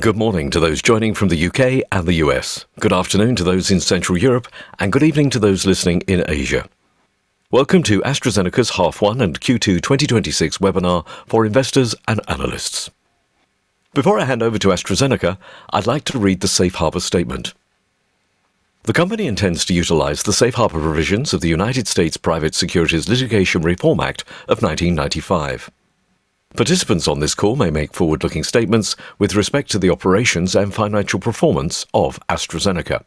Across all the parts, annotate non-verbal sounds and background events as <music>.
Good morning to those joining from the U.K. and the U.S. Good afternoon to those in Central Europe, good evening to those listening in Asia. Welcome to AstraZeneca's Half One and Q2 2026 Webinar for Investors and Analysts. Before I hand over to AstraZeneca, I'd like to read the safe harbor statement. The company intends to utilize the safe harbor provisions of the United States Private Securities Litigation Reform Act of 1995. Participants on this call may make forward-looking statements with respect to the operations and financial performance of AstraZeneca.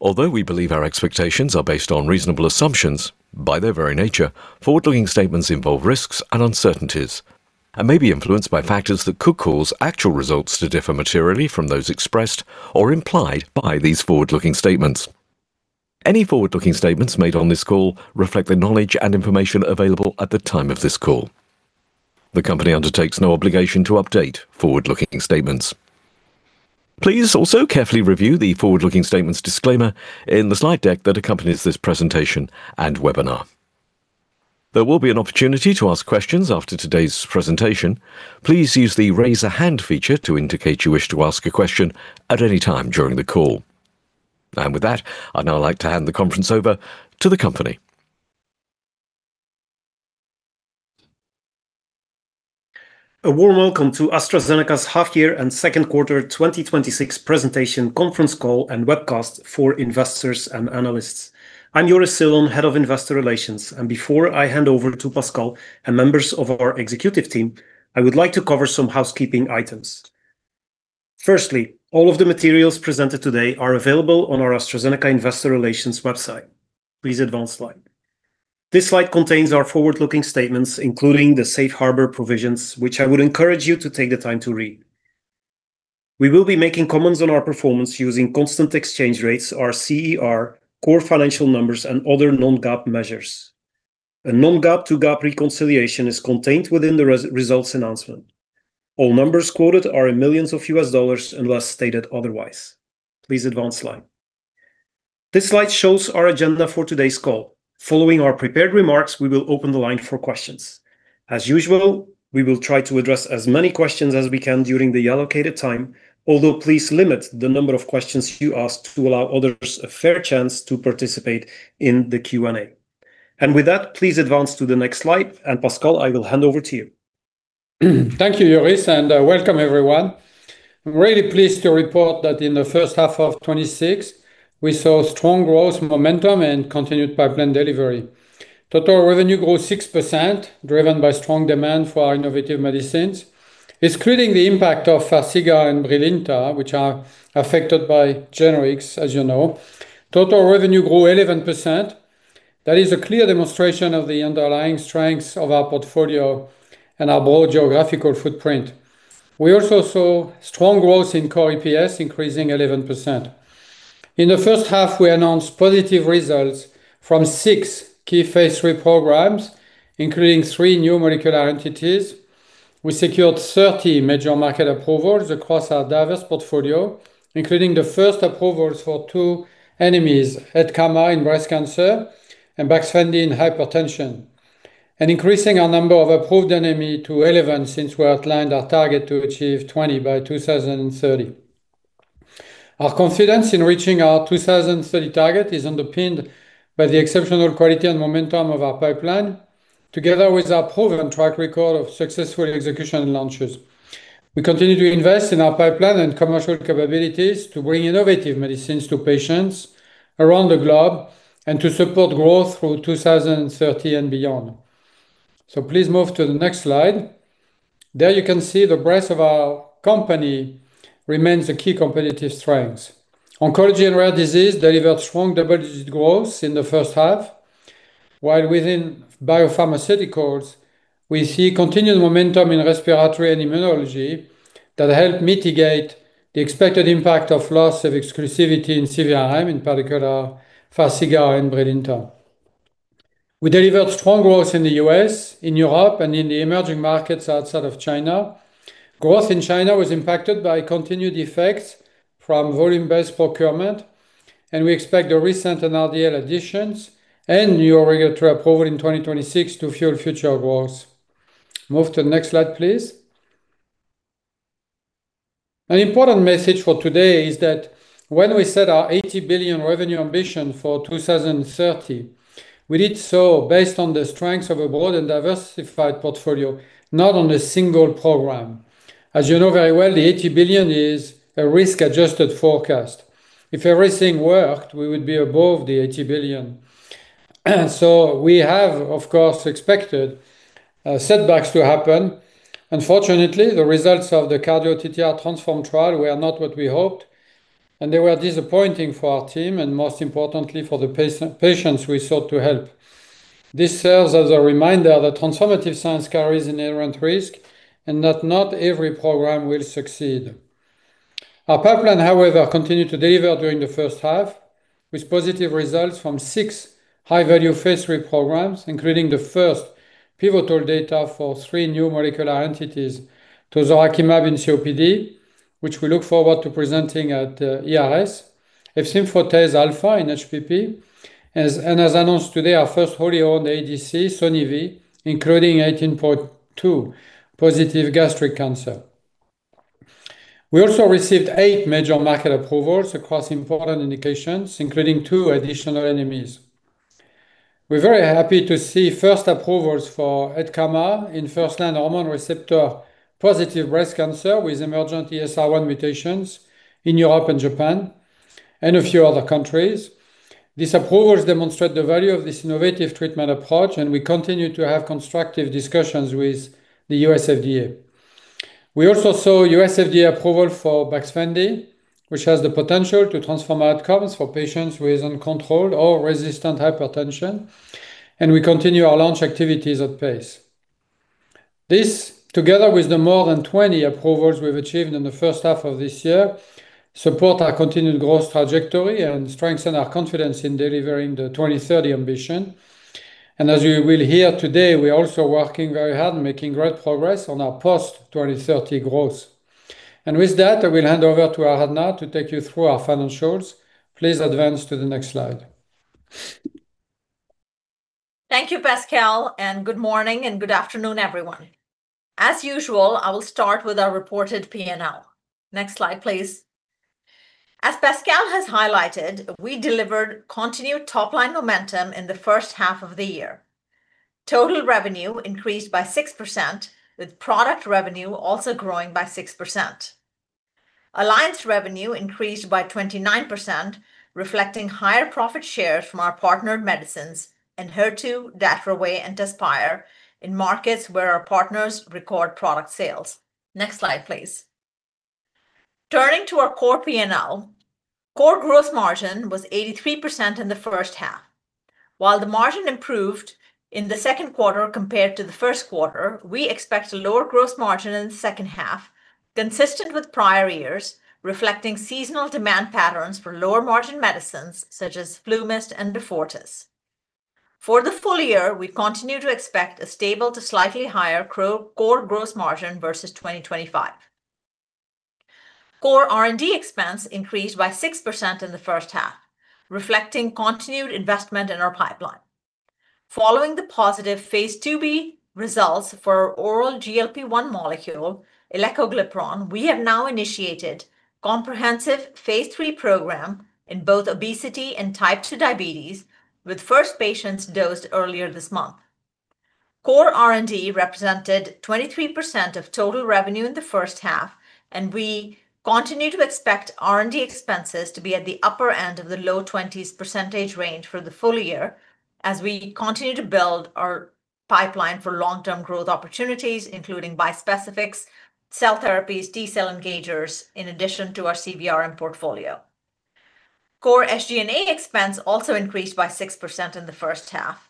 Although we believe our expectations are based on reasonable assumptions, by their very nature, forward-looking statements involve risks and uncertainties and may be influenced by factors that could cause actual results to differ materially from those expressed or implied by these forward-looking statements. Any forward-looking statements made on this call reflect the knowledge and information available at the time of this call. The company undertakes no obligation to update forward-looking statements. Please also carefully review the forward-looking statements disclaimer in the slide deck that accompanies this presentation and webinar. There will be an opportunity to ask questions after today's presentation. Please use the raise-a-hand feature to indicate you wish to ask a question at any time during the call. With that, I'd now like to hand the conference over to the company. A warm welcome to AstraZeneca's half year and second quarter 2026 presentation conference call and webcast for investors and analysts. I'm Joris Silon, Head of Investor Relations. Before I hand over to Pascal and members of our executive team, I would like to cover some housekeeping items. Firstly, all of the materials presented today are available on our AstraZeneca Investor Relations website. Please advance slide. This slide contains our forward-looking statements, including the safe harbor provisions, which I would encourage you to take the time to read. We will be making comments on our performance using constant exchange rates, our CER, core financial numbers, and other non-GAAP measures. A non-GAAP to GAAP reconciliation is contained within the results announcement. All numbers quoted are in millions of U.S. dollars unless stated otherwise. Please advance slide. This slide shows our agenda for today's call. Following our prepared remarks, we will open the line for questions. As usual, we will try to address as many questions as we can during the allocated time, although please limit the number of questions you ask to allow others a fair chance to participate in the Q&A. With that, please advance to the next slide, and Pascal, I will hand over to you. Thank you, Joris, and welcome everyone. I'm really pleased to report that in the first half of 2026, we saw strong growth momentum and continued pipeline delivery. Total revenue grew 6%, driven by strong demand for our innovative medicines. Excluding the impact of Farxiga and Brilinta, which are affected by generics, as you know, total revenue grew 11%. That is a clear demonstration of the underlying strengths of our portfolio and our broad geographical footprint. We also saw strong growth in core EPS, increasing 11%. In the first half, we announced positive results from six key phase III programs, including three new molecular entities. We secured 30 major market approvals across our diverse portfolio, including the first approvals for two NMEs, camizestrant in breast cancer and Baxfendy in hypertension, and increasing our number of approved NMEs to 11 since we outlined our target to achieve 20 by 2030. Our confidence in reaching our 2030 target is underpinned by the exceptional quality and momentum of our pipeline, together with our proven track record of successful execution and launches. We continue to invest in our pipeline and commercial capabilities to bring innovative medicines to patients around the globe and to support growth through 2030 and beyond. Please move to the next slide. There you can see the breadth of our company remains a key competitive strength. Oncology and rare disease delivered strong double-digit growth in the first half, while within BioPharmaceuticals, we see continued momentum in respiratory and immunology that help mitigate the expected impact of loss of exclusivity in CVRM, in particular Farxiga and Brilinta. We delivered strong growth in the U.S., in Europe, and in the emerging markets outside of China. Growth in China was impacted by continued effects from volume-based procurement, and we expect the recent NRDL additions and new regulatory approval in 2026 to fuel future growth. Move to the next slide, please. An important message for today is that when we set our $80 billion revenue ambition for 2030, we did so based on the strength of a broad and diversified portfolio, not on a single program. As you know very well, the $80 billion is a risk-adjusted forecast. If everything worked, we would be above the $80 billion. We have, of course, expected setbacks to happen. Unfortunately, the results of the CARDIO-TTRansform trial were not what we hoped, and they were disappointing for our team and most importantly, for the patients we sought to help. This serves as a reminder that transformative science carries an inherent risk and that not every program will succeed. Our pipeline, however, continued to deliver during the first half with positive results from six high-value phase III programs, including the first pivotal data for three new molecular entities, tozorakimab in COPD, which we look forward to presenting at the ERS, efzimfotase alfa in HPP, and as announced today, our first wholly owned ADC, sonesitatug vedotin, including CLDN18.2 positive gastric cancer. We also received eight major market approvals across important indications, including two additional NMEs. We're very happy to see first approvals for Enhertu in first-line hormone receptor-positive breast cancer with emergent ESR1 mutations in Europe and Japan and a few other countries. These approvals demonstrate the value of this innovative treatment approach, and we continue to have constructive discussions with the U.S. FDA. We also saw U.S. FDA approval for Baxfendy, which has the potential to transform outcomes for patients with uncontrolled or resistant hypertension, and we continue our launch activities at pace. This, together with the more than 20 approvals we've achieved in the first half of this year, support our continued growth trajectory and strengthen our confidence in delivering the 2030 ambition. As you will hear today, we are also working very hard and making great progress on our post-2030 growth. With that, I will hand over to Aradhana to take you through our financials. Please advance to the next slide. Thank you, Pascal, and good morning and good afternoon, everyone. As usual, I will start with our reported P&L. Next slide, please. As Pascal has highlighted, we delivered continued top-line momentum in the first half of the year. Total revenue increased by 6%, with product revenue also growing by 6%. Alliance revenue increased by 29%, reflecting higher profit shares from our partnered medicines Enhertu, Datverzo, and Tezspire in markets where our partners record product sales. Next slide, please. Turning to our core P&L, core gross margin was 83% in the first half. While the margin improved in the second quarter compared to the first quarter, we expect a lower gross margin in the second half, consistent with prior years, reflecting seasonal demand patterns for lower-margin medicines such as FluMist and Beyfortus. For the full year, we continue to expect a stable to slightly higher core gross margin versus 2025. Core R&D expense increased by 6% in the first half, reflecting continued investment in our pipeline. Following the positive phase II-B results for our oral GLP-1 molecule, elecoglipron, we have now initiated comprehensive phase III program in both obesity and Type 2 diabetes, with first patients dosed earlier this month. Core R&D represented 23% of total revenue in the first half, and we continue to expect R&D expenses to be at the upper end of the low 20s percentage range for the full year as we continue to build our pipeline for long-term growth opportunities, including bispecifics, cell therapies, T-cell engagers, in addition to our CVRM portfolio. Core SG&A expense also increased by 6% in the first half.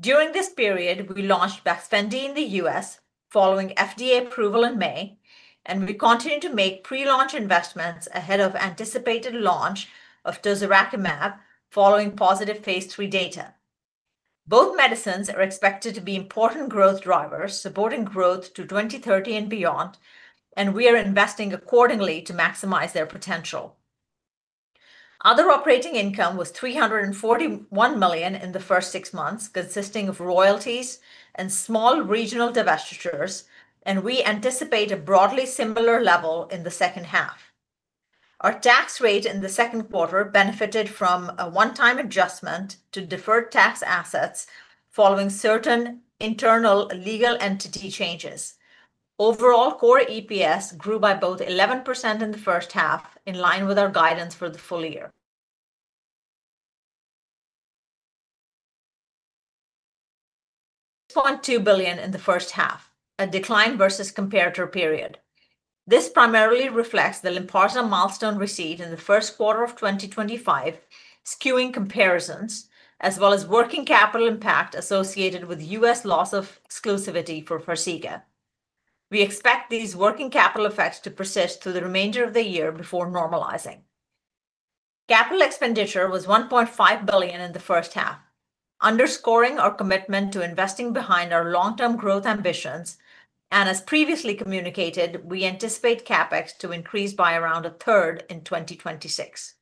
During this period, we launched Baxfendy in the U.S. following FDA approval in May, and we continue to make pre-launch investments ahead of anticipated launch of tozorakimab following positive phase III data. Both medicines are expected to be important growth drivers, supporting growth to 2030 and beyond, and we are investing accordingly to maximize their potential. Other operating income was $341 million in the first six months, consisting of royalties and small regional divestitures, and we anticipate a broadly similar level in the second half. Our tax rate in the second quarter benefited from a one-time adjustment to deferred tax assets following certain internal legal entity changes. Overall, core EPS grew by 11% in the first half, in line with our guidance for the full year. $1.2 billion in the first half, a decline versus comparator period. This primarily reflects the Lynparza milestone received in the first quarter of 2025, skewing comparisons, as well as working capital impact associated with U.S. loss of exclusivity for Farxiga. We expect these working capital effects to persist through the remainder of the year before normalizing. Capital expenditure was $1.5 billion in the first half, underscoring our commitment to investing behind our long-term growth ambitions. As previously communicated, we anticipate CapEx to increase by around a third in 2026.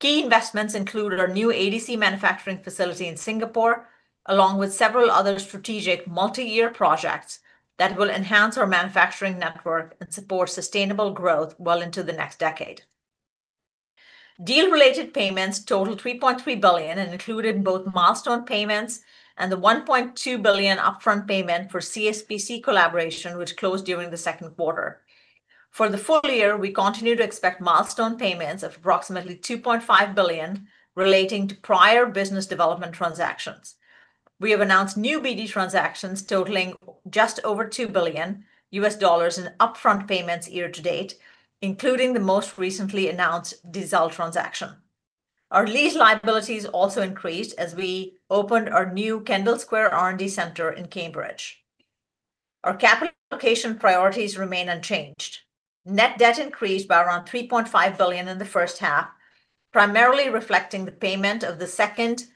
Key investments included our new ADC manufacturing facility in Singapore, along with several other strategic multi-year projects that will enhance our manufacturing network and support sustainable growth well into the next decade. Deal-related payments totaled $3.3 billion. Included both milestone payments and the $1.2 billion upfront payment for CSPC collaboration, which closed during the second quarter. For the full year, we continue to expect milestone payments of approximately $2.5 billion relating to prior business development transactions. We have announced new BD transactions totaling just over $2 billion in upfront payments year to date, including the most recently announced Dizal transaction. Our lease liabilities also increased as we opened our new Kendall Square R&D center in Cambridge. Our capital allocation priorities remain unchanged. Net debt increased by around $3.5 billion in the first half, primarily reflecting the payment of the second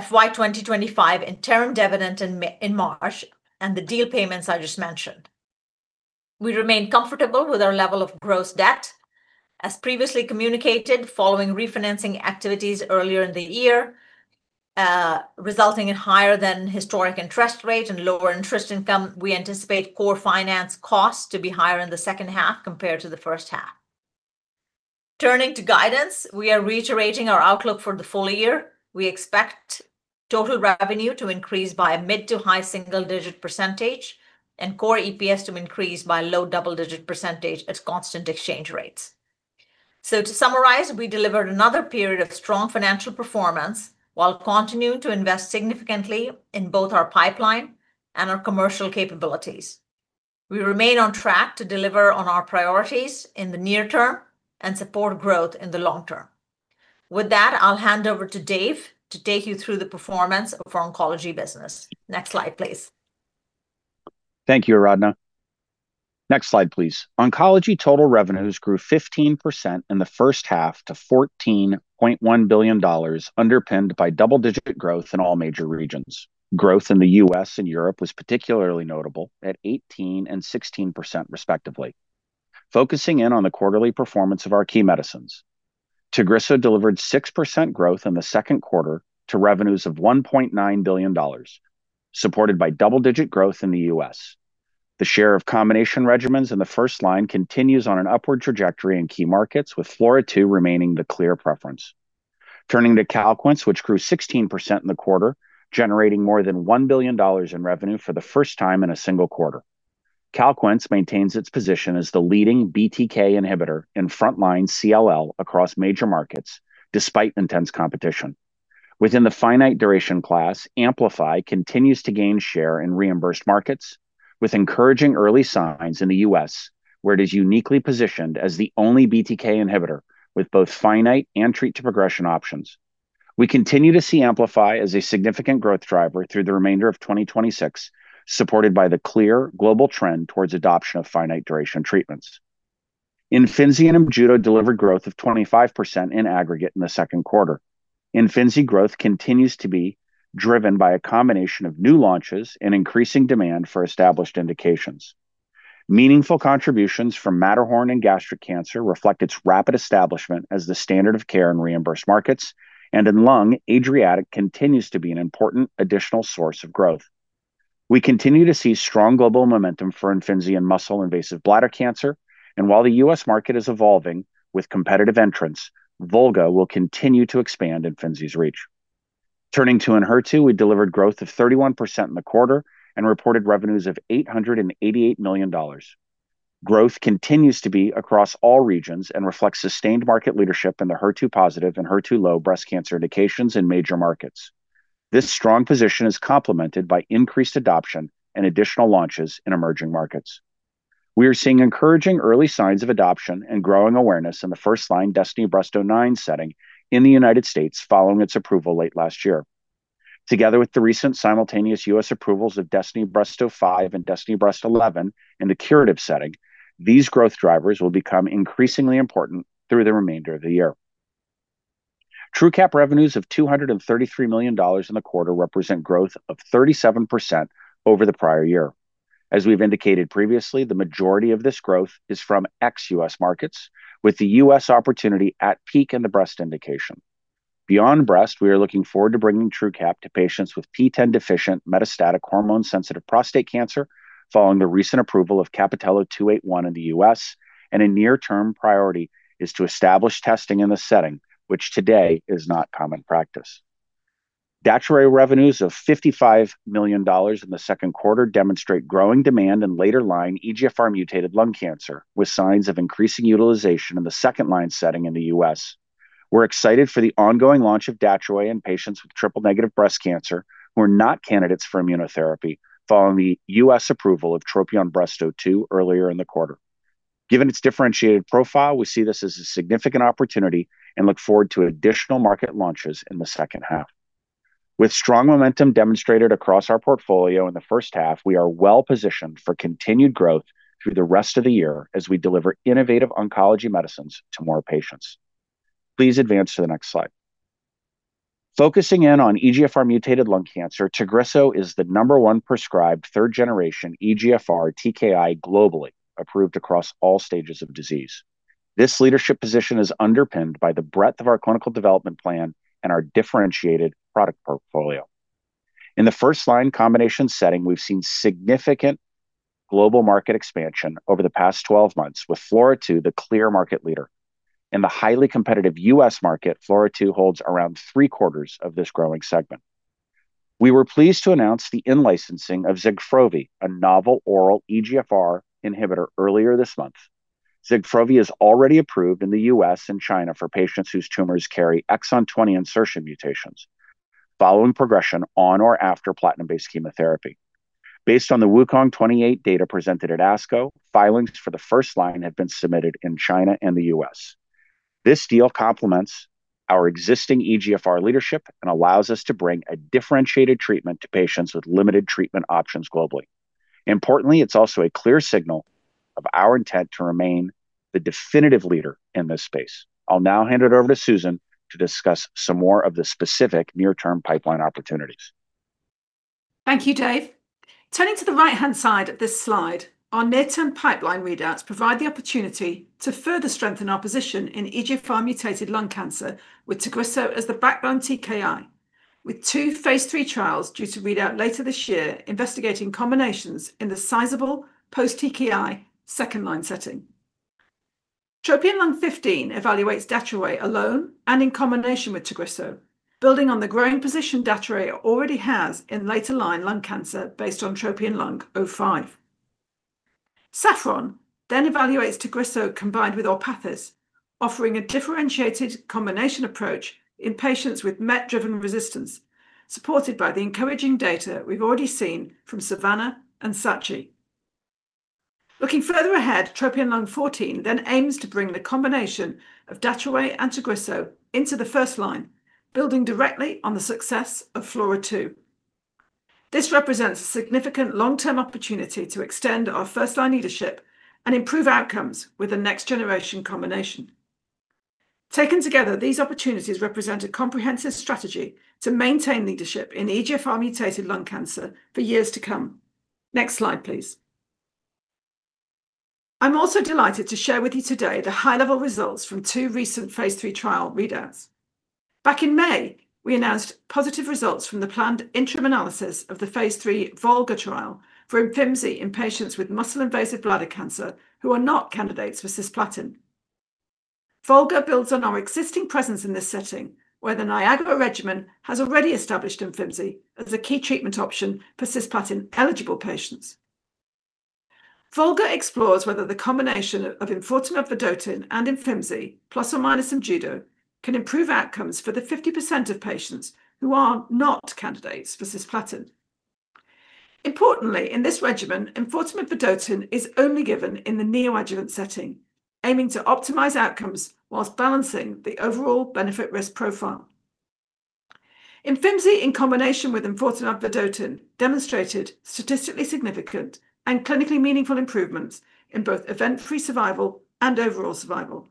FY 2025 interim dividend in March and the deal payments I just mentioned. We remain comfortable with our level of gross debt. As previously communicated, following refinancing activities earlier in the year, resulting in higher than historic interest rate and lower interest income, we anticipate core finance costs to be higher in the second half compared to the first half. Turning to guidance, we are reiterating our outlook for the full year. We expect total revenue to increase by a mid-to-high single-digit percentage. Core EPS to increase by low double-digit percentage at constant exchange rates. To summarize, we delivered another period of strong financial performance while continuing to invest significantly in both our pipeline and our commercial capabilities. We remain on track to deliver on our priorities in the near term and support growth in the long term. With that, I'll hand over to Dave to take you through the performance of our oncology business. Next slide, please. Thank you, Aradhana. Next slide, please. Oncology total revenues grew 15% in the first half to $14.1 billion, underpinned by double-digit growth in all major regions. Growth in the U.S. and Europe was particularly notable at 18% and 16%, respectively. Focusing in on the quarterly performance of our key medicines. Tagrisso delivered 6% growth in the second quarter to revenues of $1.9 billion, supported by double-digit growth in the U.S. The share of combination regimens in the first line continues on an upward trajectory in key markets, with FLAURA2 remaining the clear preference. Turning to Calquence, which grew 16% in the quarter, generating more than $1 billion in revenue for the first time in a single quarter. Calquence maintains its position as the leading BTK inhibitor in frontline CLL across major markets, despite intense competition. Within the finite duration class, AMPLIFY continues to gain share in reimbursed markets, with encouraging early signs in the U.S., where it is uniquely positioned as the only BTK inhibitor with both finite and treat to progression options. We continue to see AMPLIFY as a significant growth driver through the remainder of 2026, supported by the clear global trend towards adoption of finite duration treatments. Imfinzi and Imjudo delivered growth of 25% in aggregate in the second quarter. Imfinzi growth continues to be driven by a combination of new launches and increasing demand for established indications. Meaningful contributions from MATTERHORN and gastric cancer reflect its rapid establishment as the standard of care in reimbursed markets, and in lung, ADRIATIC continues to be an important additional source of growth. We continue to see strong global momentum for Imfinzi and muscle invasive bladder cancer, while the U.S. market is evolving with competitive entrants, VOLGA will continue to expand Imfinzi's reach. Turning to Enhertu, we delivered growth of 31% in the quarter and reported revenues of $888 million. Growth continues to be across all regions and reflects sustained market leadership in the HER2 positive and HER2 low breast cancer indications in major markets. This strong position is complemented by increased adoption and additional launches in emerging markets. We are seeing encouraging early signs of adoption and growing awareness in the first-line DESTINY-Breast09 setting in the United States following its approval late last year. Together with the recent simultaneous U.S. approvals of DESTINY-Breast05 and DESTINY-Breast11 in the curative setting, these growth drivers will become increasingly important through the remainder of the year. Truqap revenues of $233 million in the quarter represent growth of 37% over the prior year. As we've indicated previously, the majority of this growth is from ex-U.S. markets, with the U.S. opportunity at peak in the breast indication. Beyond breast, we are looking forward to bringing Truqap to patients with PTEN-deficient metastatic hormone-sensitive prostate cancer following the recent approval of CAPItello-281 in the U.S., and a near-term priority is to establish testing in the setting, which today is not common practice. Datroway revenues of $55 million in the second quarter demonstrate growing demand in later-line EGFR mutated lung cancer, with signs of increasing utilization in the second-line setting in the U.S. We're excited for the ongoing launch of Datroway in patients with triple negative breast cancer, who are not candidates for immunotherapy following the U.S. approval of TROPION-Breast02 earlier in the quarter. Given its differentiated profile, we see this as a significant opportunity and look forward to additional market launches in the second half. With strong momentum demonstrated across our portfolio in the first half, we are well-positioned for continued growth through the rest of the year as we deliver innovative oncology medicines to more patients. Please advance to the next slide. Focusing in on EGFR mutated lung cancer, Tagrisso is the number one prescribed third-generation EGFR TKI globally, approved across all stages of disease. This leadership position is underpinned by the breadth of our clinical development plan and our differentiated product portfolio. In the first-line combination setting, we've seen significant global market expansion over the past 12 months, with FLAURA2 the clear market leader. In the highly competitive U.S. market, FLAURA2 holds around three-quarters of this growing segment. We were pleased to announce the in-licensing of Zegfrovy, a novel oral EGFR inhibitor earlier this month. Zegfrovy is already approved in the U.S. and China for patients whose tumors carry exon 20 insertion mutations following progression on or after platinum-based chemotherapy. Based on the WU-KONG28 data presented at ASCO, filings for the first-line have been submitted in China and the U.S. This deal complements our existing EGFR leadership and allows us to bring a differentiated treatment to patients with limited treatment options globally. Importantly, it's also a clear signal of our intent to remain the definitive leader in this space. I'll now hand it over to Susan to discuss some more of the specific near-term pipeline opportunities. Thank you, Dave. Turning to the right-hand side of this slide, our midterm pipeline readouts provide the opportunity to further strengthen our position in EGFR-mutated lung cancer with Tagrisso as the background TKI, with two phase III trials due to read out later this year investigating combinations in the sizable post-TKI second-line setting. TROPION-Lung15 evaluates Datroway alone and in combination with Tagrisso, building on the growing position Datroway already has in later-line lung cancer based on TROPION-Lung05. SAFFRON evaluates Tagrisso combined with Orpathys, offering a differentiated combination approach in patients with MET-driven resistance, supported by the encouraging data we've already seen from SAVANNAH and SACHI. Looking further ahead, TROPION-Lung14 aims to bring the combination of Datroway and Tagrisso into the first-line, building directly on the success of FLAURA2. This represents a significant long-term opportunity to extend our first-line leadership and improve outcomes with a next-generation combination. Taken together, these opportunities represent a comprehensive strategy to maintain leadership in EGFR-mutated lung cancer for years to come. Next slide, please. I'm also delighted to share with you today the high-level results from two recent phase III trial readouts. Back in May, we announced positive results from the planned interim analysis of the phase III VOLGA trial for Imfinzi in patients with muscle-invasive bladder cancer who are not candidates for cisplatin. VOLGA builds on our existing presence in this setting, where the NIAGARA regimen has already established Imfinzi as a key treatment option for cisplatin-eligible patients. VOLGA explores whether the combination of enfortumab vedotin and Imfinzi, ± Imjudo, can improve outcomes for the 50% of patients who are not candidates for cisplatin. Importantly, in this regimen, enfortumab vedotin is only given in the neoadjuvant setting, aiming to optimize outcomes whilst balancing the overall benefit-risk profile. Imfinzi in combination with enfortumab vedotin demonstrated statistically significant and clinically meaningful improvements in both event-free survival and overall survival,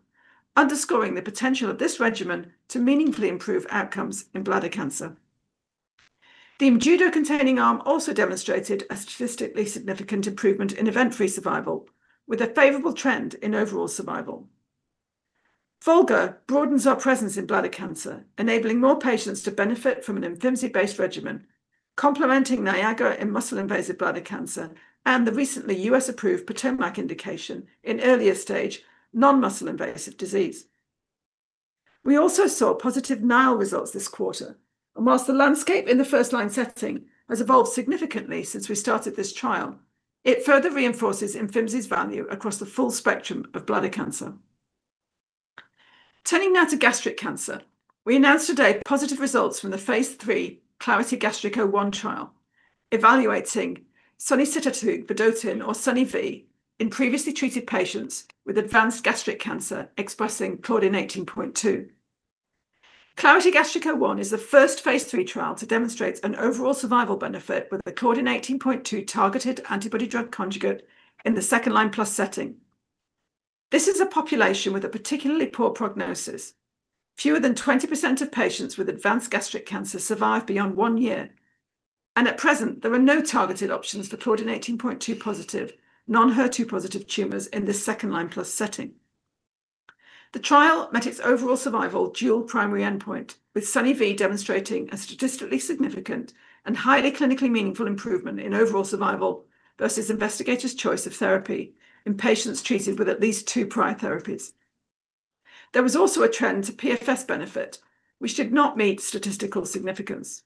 underscoring the potential of this regimen to meaningfully improve outcomes in bladder cancer. The Imjudo-containing arm also demonstrated a statistically significant improvement in event-free survival, with a favorable trend in overall survival. VOLGA broadens our presence in bladder cancer, enabling more patients to benefit from an Imfinzi-based regimen, complementing NIAGARA in muscle-invasive bladder cancer and the recently U.S.-approved POTOMAC indication in earlier-stage non-muscle-invasive disease. We also saw positive NILE results this quarter, and whilst the landscape in the first-line setting has evolved significantly since we started this trial, it further reinforces Imfinzi's value across the full spectrum of bladder cancer. Turning now to gastric cancer. We announced today positive results from the phase III CLARITY-Gastric01 trial evaluating sonesitatug vedotin, or Sone-Ve, in previously treated patients with advanced gastric cancer expressing CLDN18.2. CLARITY-Gastric01 is the first phase III trial to demonstrate an overall survival benefit with the CLDN18.2 targeted antibody drug conjugate in the second-line plus setting. This is a population with a particularly poor prognosis. Fewer than 20% of patients with advanced gastric cancer survive beyond one year, and at present, there are no targeted options for CLDN18.2 positive, non-HER2-positive tumors in this second-line plus setting. The trial met its overall survival dual primary endpoint, with Sone-Ve demonstrating a statistically significant and highly clinically meaningful improvement in overall survival versus investigator's choice of therapy in patients treated with at least two prior therapies. There was also a trend to PFS benefit, which did not meet statistical significance.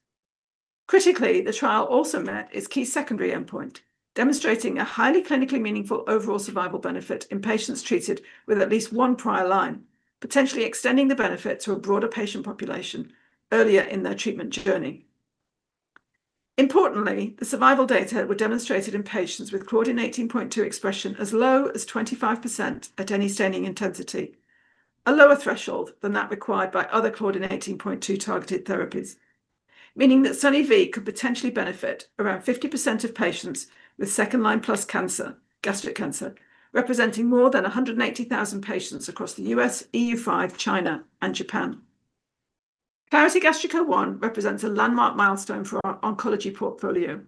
Critically, the trial also met its key secondary endpoint, demonstrating a highly clinically meaningful overall survival benefit in patients treated with at least one prior line, potentially extending the benefit to a broader patient population earlier in their treatment journey. Importantly, the survival data were demonstrated in patients with CLDN18.2 expression as low as 25% at any staining intensity, a lower threshold than that required by other CLDN18.2 targeted therapies, meaning that Sone-Ve could potentially benefit around 50% of patients with second-line plus gastric cancer, representing more than 180,000 patients across the U.S., EU5, China, and Japan. CLARITY-Gastric01 represents a landmark milestone for our oncology portfolio.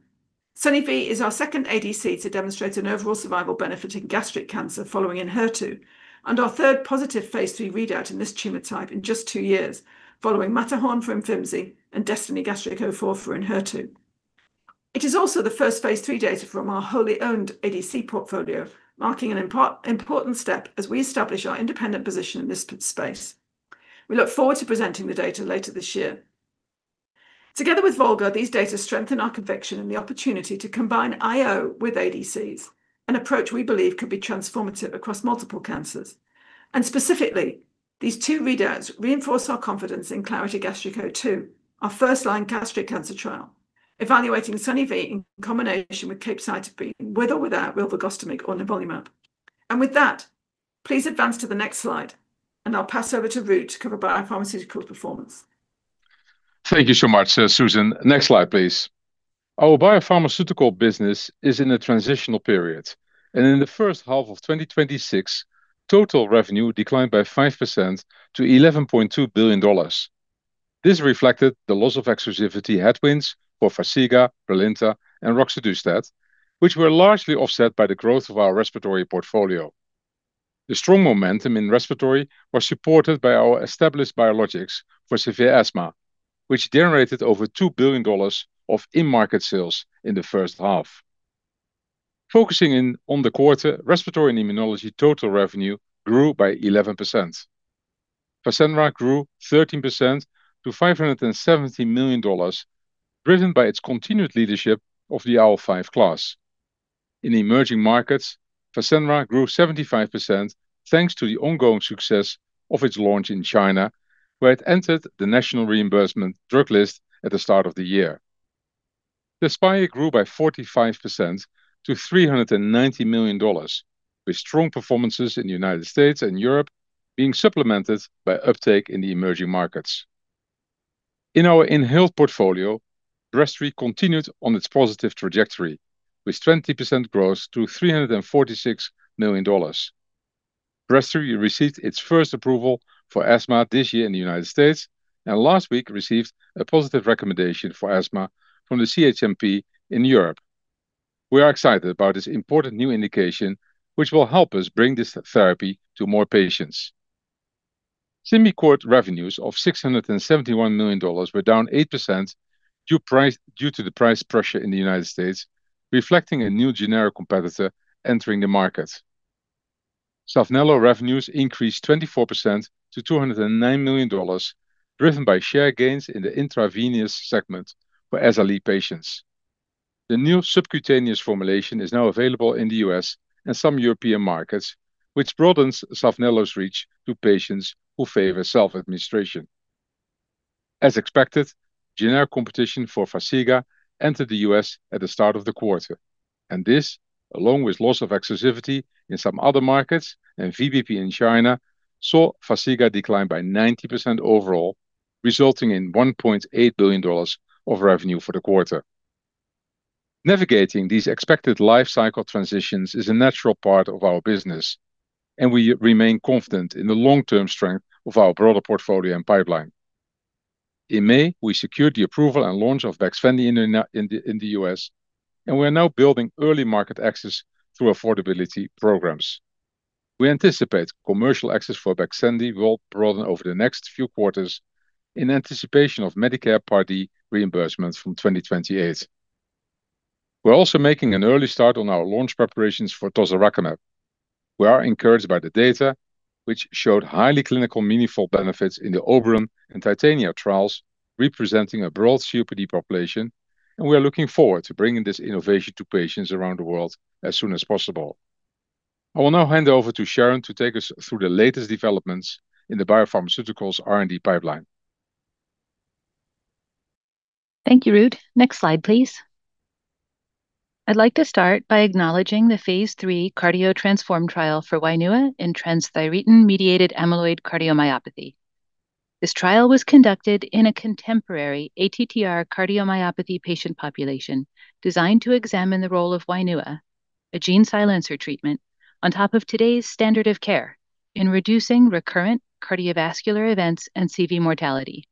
Sone-Ve is our second ADC to demonstrate an overall survival benefit in gastric cancer following Enhertu, and our third positive phase III readout in this tumor type in just two years, following MATTERHORN for Imfinzi and DESTINY-Gastric04 for Enhertu. It is also the first phase III data from our wholly-owned ADC portfolio, marking an important step as we establish our independent position in this space. We look forward to presenting the data later this year. Together with VOLGA, these data strengthen our conviction in the opportunity to combine IO with ADCs, an approach we believe could be transformative across multiple cancers. Specifically, these two readouts reinforce our confidence in CLARITY-Gastric02, our first-line gastric cancer trial, evaluating Sone-Ve in combination with capecitabine with or without Rilvegostomig or nivolumab. With that, please advance to the next slide, and I'll pass over to Ruud to cover BioPharmaceuticals performance. Thank you so much, Susan. Next slide, please. Our BioPharmaceuticals business is in a transitional period, in the first half of 2026, total revenue declined by 5% to $11.2 billion. This reflected the loss of exclusivity headwinds for Farxiga, Brilinta, and roxadustat, which were largely offset by the growth of our respiratory portfolio. The strong momentum in respiratory was supported by our established biologics for severe asthma, which generated over $2 billion of in-market sales in the first half. Focusing in on the quarter, respiratory and immunology total revenue grew by 11%. Fasenra grew 13% to $570 million, driven by its continued leadership of the IL-5 class. In emerging markets, Fasenra grew 75% thanks to the ongoing success of its launch in China, where it entered the National Reimbursement Drug List at the start of the year. Tezspire grew by 45% to $390 million, with strong performances in the United States and Europe being supplemented by uptake in the emerging markets. In our inhaled portfolio, Breztri continued on its positive trajectory with 20% growth to $346 million. Breztri received its first approval for asthma this year in the United States, and last week received a positive recommendation for asthma from the CHMP in Europe. We are excited about this important new indication, which will help us bring this therapy to more patients. Symbicort revenues of $671 million were down 8% due to the price pressure in the United States, reflecting a new generic competitor entering the market. Saphnelo revenues increased 24% to $209 million, driven by share gains in the intravenous segment for SLE patients. The new subcutaneous formulation is now available in the U.S. and some European markets, which broadens Saphnelo's reach to patients who favor self-administration. As expected, generic competition for Farxiga entered the U.S. at the start of the quarter. This, along with loss of exclusivity in some other markets and VBP in China, saw Farxiga decline by 90% overall, resulting in $1.8 billion of revenue for the quarter. Navigating these expected life cycle transitions is a natural part of our business. We remain confident in the long-term strength of our broader portfolio and pipeline. In May, we secured the approval and launch of Baxfendy in the U.S. We are now building early market access through affordability programs. We anticipate commercial access for Baxfendy will broaden over the next few quarters in anticipation of Medicare Part D reimbursements from 2028. We are also making an early start on our launch preparations for tezepelumab. We are encouraged by the data, which showed highly clinical meaningful benefits in the OBERON and TITANIA trials, representing a broad COPD population. We are looking forward to bringing this innovation to patients around the world as soon as possible. I will now hand over to Sharon to take us through the latest developments in the biopharmaceuticals R&D pipeline. Thank you, Ruud. Next slide, please. I'd like to start by acknowledging the phase III CARDIO-TTRansform trial for Wainua in transthyretin-mediated amyloid cardiomyopathy. This trial was conducted in a contemporary ATTR cardiomyopathy patient population designed to examine the role of Wainua, a gene silencer treatment, on top of today's standard of care in reducing recurrent cardiovascular events and CV mortality.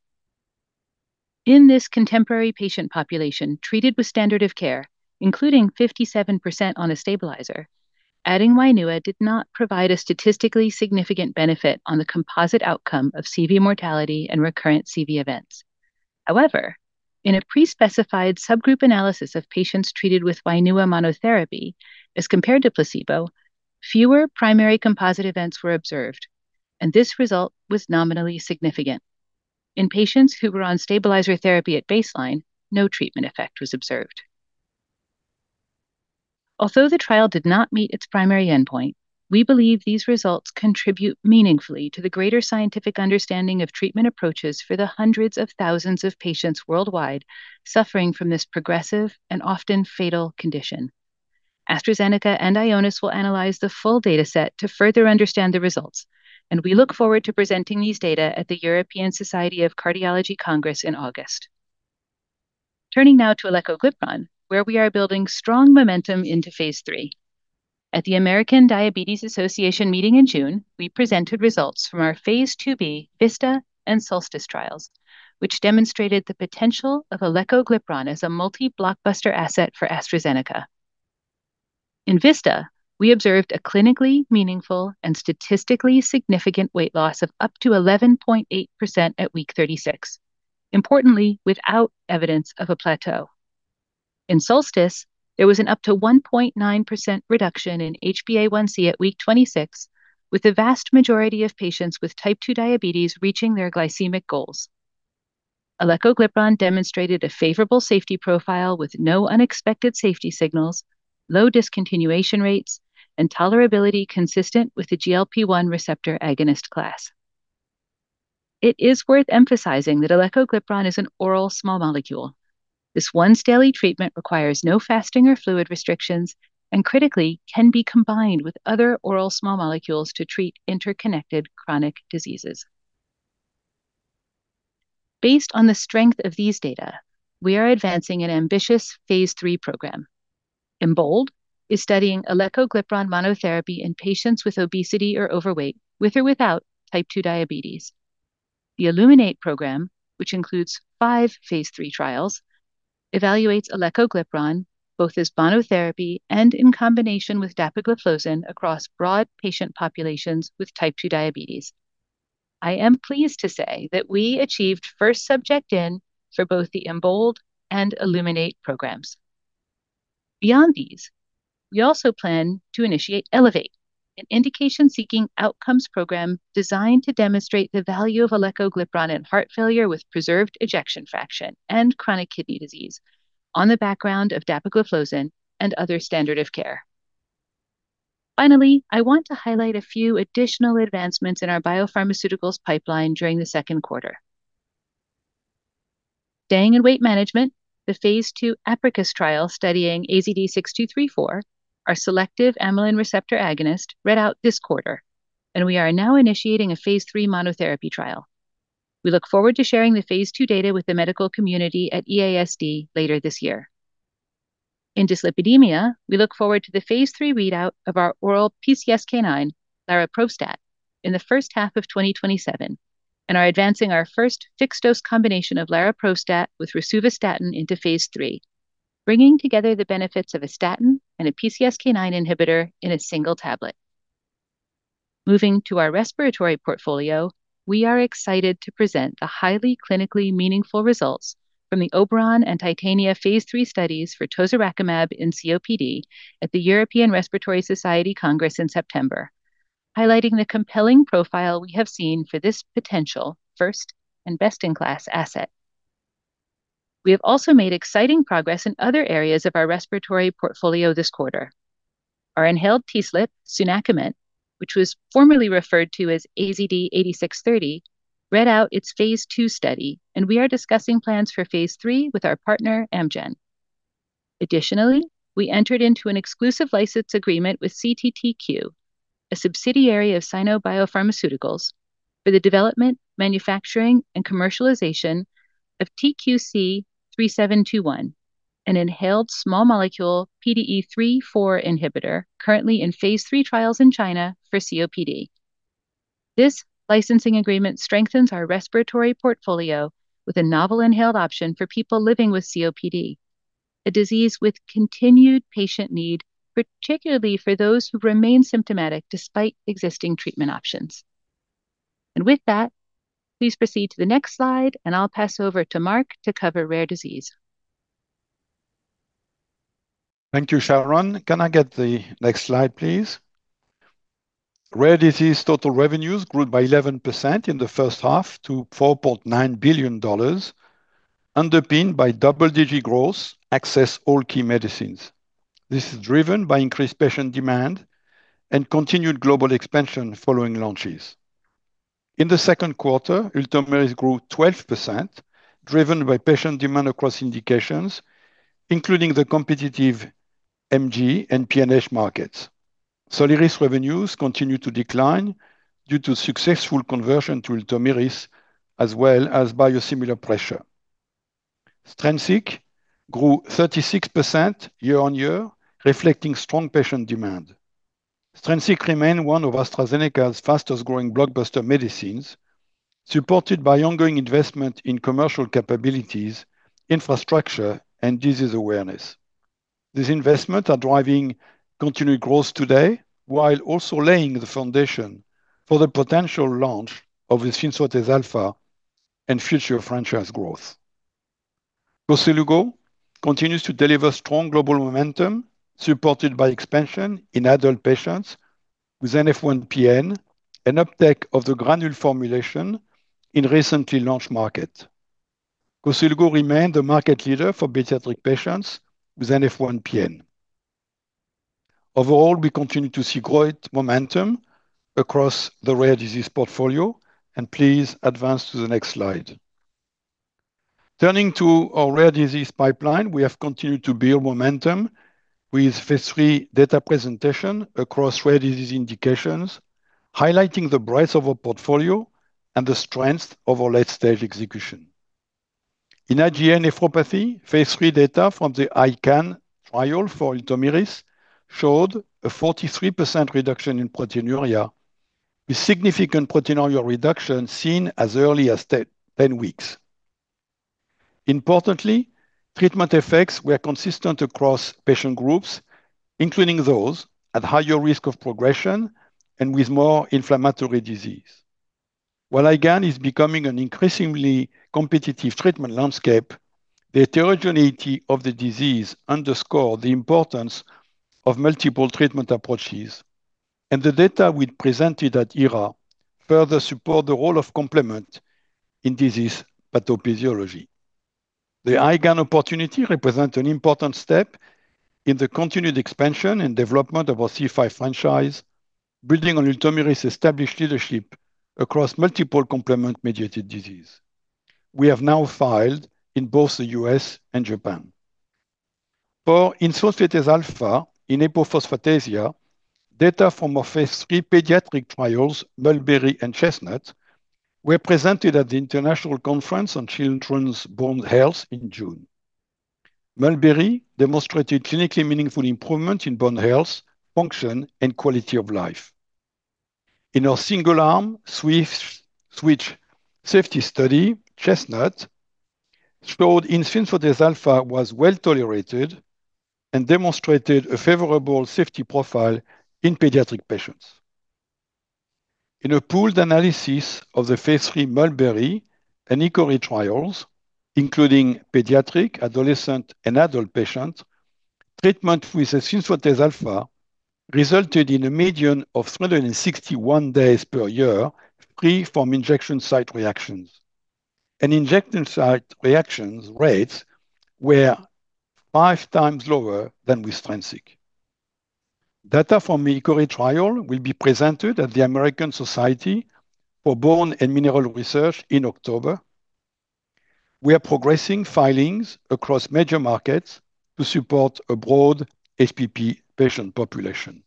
In this contemporary patient population treated with standard of care, including 57% on a stabilizer, adding Wainua did not provide a statistically significant benefit on the composite outcome of CV mortality and recurrent CV events. In a pre-specified subgroup analysis of patients treated with Wainua monotherapy as compared to placebo, fewer primary composite events were observed. This result was nominally significant. In patients who were on stabilizer therapy at baseline, no treatment effect was observed. Although the trial did not meet its primary endpoint, we believe these results contribute meaningfully to the greater scientific understanding of treatment approaches for the hundreds of thousands of patients worldwide suffering from this progressive and often fatal condition. AstraZeneca and Ionis will analyze the full data set to further understand the results, and we look forward to presenting these data at the European Society of Cardiology Congress in August. Turning now to elecoglipron, where we are building strong momentum into phase III. At the American Diabetes Association meeting in June, we presented results from our phase II-B VISTA and SOLSTICE trials, which demonstrated the potential of elecoglipron as a multi-blockbuster asset for AstraZeneca. In VISTA, we observed a clinically meaningful and statistically significant weight loss of up to 11.8% at week 36, importantly, without evidence of a plateau. In SOLSTICE, there was an up to 1.9% reduction in HbA1c at week 26, with the vast majority of patients with Type 2 diabetes reaching their glycemic goals. elecoglipron demonstrated a favorable safety profile with no unexpected safety signals, low discontinuation rates, and tolerability consistent with the GLP-1 receptor agonist class. It is worth emphasizing that elecoglipron is an oral small molecule. This once-daily treatment requires no fasting or fluid restrictions and critically can be combined with other oral small molecules to treat interconnected chronic diseases. Based on the strength of these data, we are advancing an ambitious phase III program. EMBOLD is studying elecoglipron monotherapy in patients with obesity or overweight, with or without Type 2 diabetes. The ILLUMINATE program, which includes five phase III trials, evaluates elecoglipron both as monotherapy and in combination with dapagliflozin across broad patient populations with Type 2 diabetes. I am pleased to say that we achieved first subject in for both the EMBOLD and ILLUMINATE programs. Beyond these, we also plan to initiate ELEVATE, an indication-seeking outcomes program designed to demonstrate the value of elecoglipron in heart failure with preserved ejection fraction and chronic kidney disease on the background of dapagliflozin and other standard of care. Finally, I want to highlight a few additional advancements in our biopharmaceuticals pipeline during the second quarter. Staying in weight management, the phase II APRICUS trial studying AZD6234, our selective amylin receptor agonist, read out this quarter, and we are now initiating a phase III monotherapy trial. We look forward to sharing the phase II data with the medical community at EASD later this year. In dyslipidemia, we look forward to the phase III readout of our oral PCSK9, lariprostat, in the first half of 2027 and are advancing our first fixed-dose combination of lariprostat with rosuvastatin into phase III, bringing together the benefits of a statin and a PCSK9 inhibitor in a single tablet. Moving to our respiratory portfolio, we are excited to present the highly clinically meaningful results from the OBERON and TITANIA phase III studies for tozorakimab in COPD at the European Respiratory Society Congress in September, highlighting the compelling profile we have seen for this potential first and best-in-class asset. We have also made exciting progress in other areas of our respiratory portfolio this quarter. Our inhaled TSLP, Sunakiment, which was formerly referred to as AZD8630, read out its phase II study, and we are discussing plans for phase III with our partner, Amgen. Additionally, we entered into an exclusive license agreement with CTTQ, a subsidiary of Sino Biopharmaceutical, for the development, manufacturing, and commercialization of TQC3721, an inhaled small molecule PDE3/4 inhibitor currently in phase III trials in China for COPD. This licensing agreement strengthens our respiratory portfolio with a novel inhaled option for people living with COPD, a disease with continued patient need, particularly for those who remain symptomatic despite existing treatment options. With that, please proceed to the next slide, I'll pass over to Marc to cover Rare Disease. Thank you, Sharon. Can I get the next slide, please? Rare Disease total revenues grew by 11% in the first half to $4.9 billion, underpinned by double-digit growth across all key medicines. This is driven by increased patient demand and continued global expansion following launches. In the second quarter, Ultomiris grew 12%, driven by patient demand across indications, including the competitive MG and PNH markets. Soliris revenues continued to decline due to successful conversion to Ultomiris, as well as biosimilar pressure. Strensiq grew 36% year-on-year, reflecting strong patient demand. Strensiq remains one of AstraZeneca's fastest-growing blockbuster medicines, supported by ongoing investment in commercial capabilities, infrastructure, and disease awareness. These investments are driving continued growth today while also laying the foundation for the potential launch of efzimfotase alfa and future franchise growth. Vosoritide continues to deliver strong global momentum, supported by expansion in adult patients with NF1-PN and uptake of the granule formulation in recently launched market. vosoritide remained the market leader for pediatric patients with NF1-PN. Overall, we continue to see great momentum across the Rare Disease portfolio. Please advance to the next slide. Turning to our Rare Disease pipeline, we have continued to build momentum with phase III data presentation across Rare Disease indications, highlighting the breadth of our portfolio and the strength of our late-stage execution. In IgAN, phase III data from the I CAN trial for Ultomiris showed a 43% reduction in proteinuria, with significant proteinuria reduction seen as early as 10 weeks. Importantly, treatment effects were consistent across patient groups, including those at higher risk of progression and with more inflammatory disease. While IgAN is becoming an increasingly competitive treatment landscape, the heterogeneity of the disease underscores the importance of multiple treatment approaches. The data we presented at ERA further support the role of complement in disease pathophysiology. The IgAN opportunity represents an important step in the continued expansion and development of our C5 franchise, building on Ultomiris' established leadership across multiple complement-mediated disease. We have now filed in both the U.S. and Japan. For efzimfotase alfa in hypophosphatasia, data from our phase III pediatric trials, MULBERRY and CHESTNUT, were presented at the International Conference on Children's Bone Health in June. MULBERRY demonstrated clinically meaningful improvement in bone health, function, and quality of life. In our single-arm switch safety study, CHESTNUT showed efzimfotase alfa was well-tolerated and demonstrated a favorable safety profile in pediatric patients. In a pooled analysis of the phase III MULBERRY and HICKORY trials, including pediatric, adolescent, and adult patients, treatment with asfotase alfa resulted in a median of 361 days per year free from injection site reactions. Injection site reactions rates were five times lower than with Strensiq. Data from the HICKORY trial will be presented at the American Society for Bone and Mineral Research in October. We are progressing filings across major markets to support a broad HPP patient population.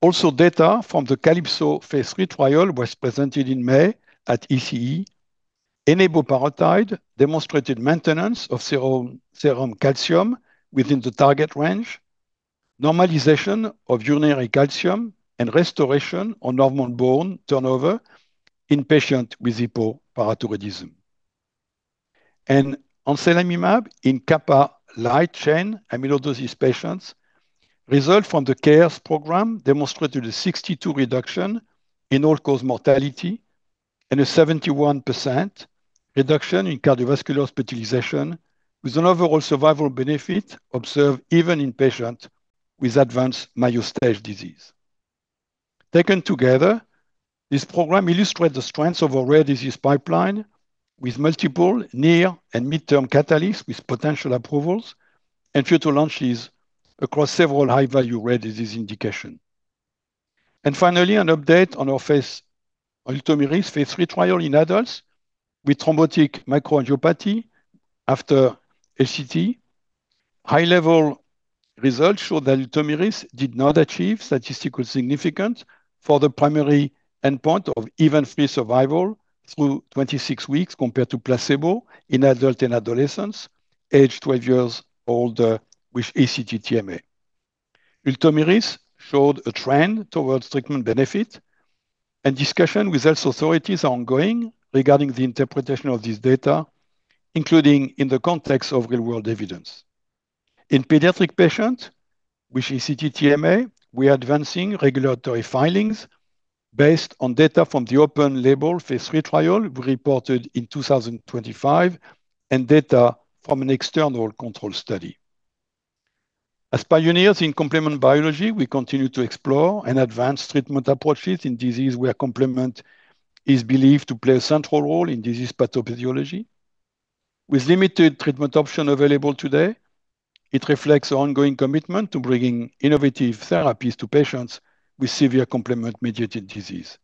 Also, data from the CALYPSO phase III trial was presented in May at ECE. Eneboparatide demonstrated maintenance of serum calcium within the target range, normalization of urinary calcium, and restoration of normal bone turnover in patients with hypoparathyroidism. Anselamimab in kappa light chain amyloidosis patients. Results from the CARES program demonstrated a 62% reduction in all-cause mortality and a 71% reduction in cardiovascular hospitalization, with an overall survival benefit observed even in patients with advanced Mayo stage disease. Taken together, this program illustrates the strengths of a rare disease pipeline with multiple near and midterm catalysts with potential approvals and future launches across several high-value rare disease indications. Finally, an update on our Ultomiris phase III trial in adults with thrombotic microangiopathy after HSCT-TMA. High-level results showed that Ultomiris did not achieve statistical significance for the primary endpoint of event-free survival through 26 weeks compared to placebo in adults and adolescents aged 12 years older with HSCT-TMA. Ultomiris showed a trend towards treatment benefit, discussion with health authorities are ongoing regarding the interpretation of this data, including in the context of real-world evidence. In pediatric patients with HSCT-TMA, we are advancing regulatory filings based on data from the open-label phase III trial we reported in 2025 and data from an external control study. As pioneers in complement biology, we continue to explore and advance treatment approaches in diseases where complement is believed to play a central role in disease pathophysiology. With limited treatment options available today, it reflects our ongoing commitment to bringing innovative therapies to patients with severe complement-mediated disease.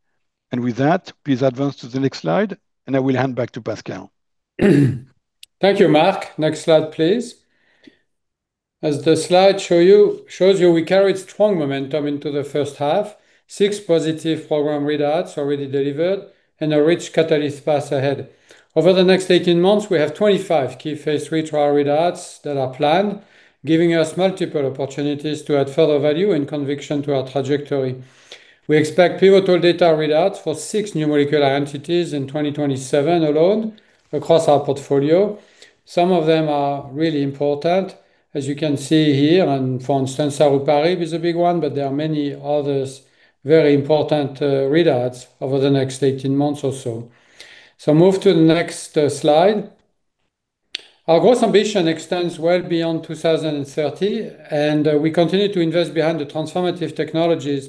With that, please advance to the next slide, I will hand back to Pascal. Thank you, Marc. Next slide, please. As the slide shows you, we carried strong momentum into the first half, six positive program readouts already delivered, and a rich catalyst path ahead. Over the next 18 months, we have 25 key phase III trial readouts that are planned, giving us multiple opportunities to add further value and conviction to our trajectory. We expect pivotal data readouts for six new molecular entities in 2027 alone across our portfolio. Some of them are really important, as you can see here. For instance, saruparib is a big one, but there are many other very important readouts over the next 18 months or so. Move to the next slide. Our growth ambition extends well beyond 2030, we continue to invest behind the transformative technologies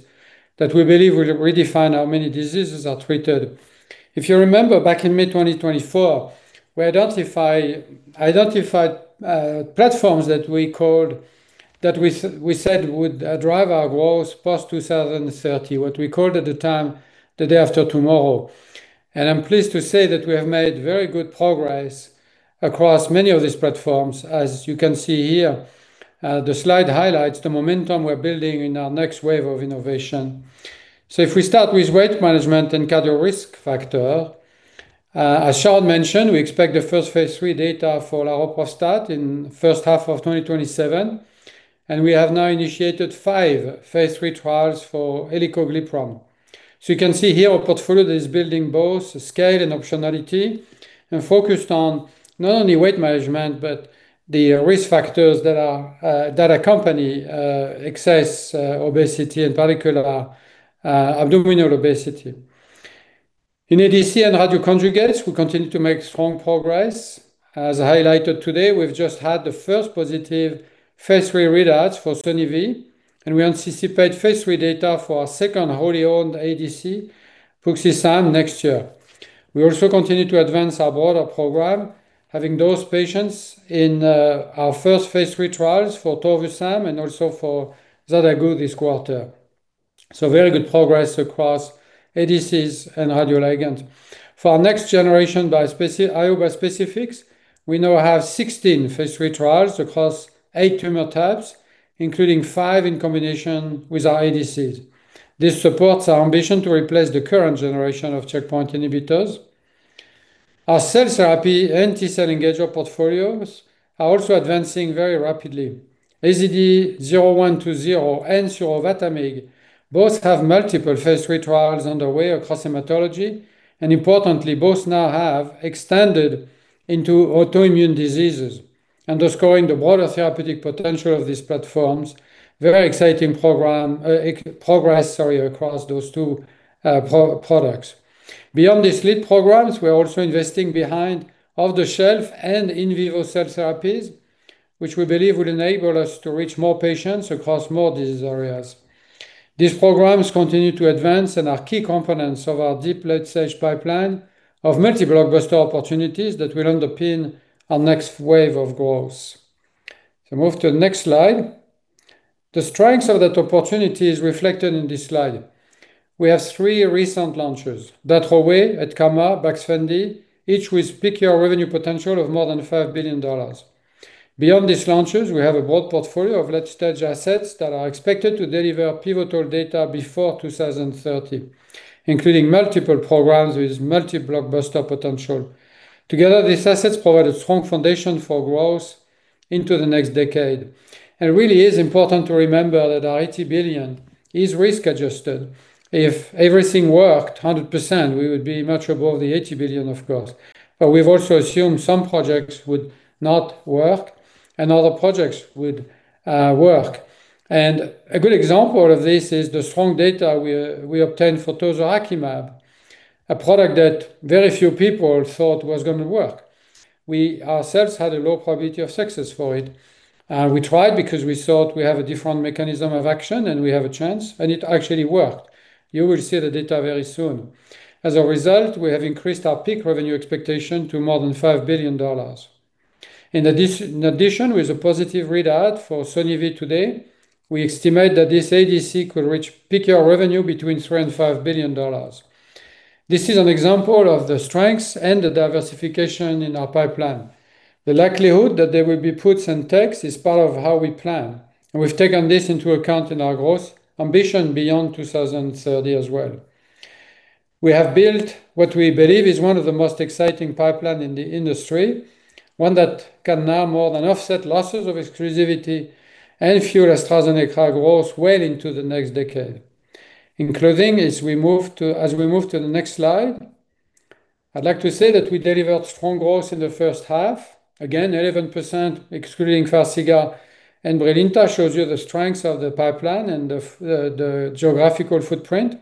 that we believe will redefine how many diseases are treated. If you remember back in mid-2024, we identified platforms that we said would drive our growth post-2030, what we called at the time the day after tomorrow. I'm pleased to say that we have made very good progress across many of these platforms, as you can see here. The slide highlights the momentum we're building in our next wave of innovation. If we start with weight management and cardio risk factor, as Sharon mentioned, we expect the first phase III data for laroprovstat in the first half of 2027, and we have now initiated five phase III trials for elecoglipron. You can see here our portfolio is building both scale and optionality and focused on not only weight management, but the risk factors that accompany excess obesity, in particular abdominal obesity. In ADC and radio conjugates, we continue to make strong progress. As highlighted today, we've just had the first positive phase III readouts for Sone-Ve, and we anticipate phase III data for our second wholly owned ADC, Puxi-Sam, next year. We also continue to advance our broader program, having dosed patients in our first phase III trials for tovusam and also for zagaru this quarter. Very good progress across ADCs and radio ligand. For our next generation IO specifics, we now have 16 phase III trials across eight tumor types, including five in combination with our ADCs. This supports our ambition to replace the current generation of checkpoint inhibitors. Our cell therapy and T-cell engager portfolios are also advancing very rapidly. AZD0120 and surovatamig both have multiple phase III trials underway across hematology, and importantly, both now have extended into autoimmune diseases, underscoring the broader therapeutic potential of these platforms. Very exciting progress across those two products. Beyond these lead programs, we're also investing behind off-the-shelf and in vivo cell therapies, which we believe will enable us to reach more patients across more disease areas. These programs continue to advance and are key components of our deep late-stage pipeline of multi-blockbuster opportunities that will underpin our next wave of growth. Move to the next slide. The strengths of that opportunity is reflected in this slide. We have three recent launches, Datverzo, Etcamah, Baxfendy, each with peak year revenue potential of more than $5 billion. Beyond these launches, we have a broad portfolio of late-stage assets that are expected to deliver pivotal data before 2030, including multiple programs with multi-blockbuster potential. Together, these assets provide a strong foundation for growth into the next decade. It really is important to remember that our $80 billion is risk adjusted. If everything worked 100%, we would be much above the $80 billion, of course. We've also assumed some projects would not work and other projects would work. A good example of this is the strong data we obtained for tozorakimab, a product that very few people thought was going to work. We ourselves had a low probability of success for it. We tried because we thought we have a different mechanism of action, and we have a chance, and it actually worked. You will see the data very soon. As a result, we have increased our peak revenue expectation to more than $5 billion. In addition, with a positive readout for Sone-Ve today, we estimate that this ADC could reach peak year revenue between $3 billion-$5 billion. This is an example of the strengths and the diversification in our pipeline. The likelihood that there will be puts and takes is part of how we plan, and we've taken this into account in our growth ambition beyond 2030 as well. We have built what we believe is one of the most exciting pipeline in the industry, one that can now more than offset losses of exclusivity and fuel AstraZeneca growth well into the next decade. In closing, as we move to the next slide, I'd like to say that we delivered strong growth in the first half. Again, 11%, excluding Farxiga and Brilinta, shows you the strengths of the pipeline and the geographical footprint,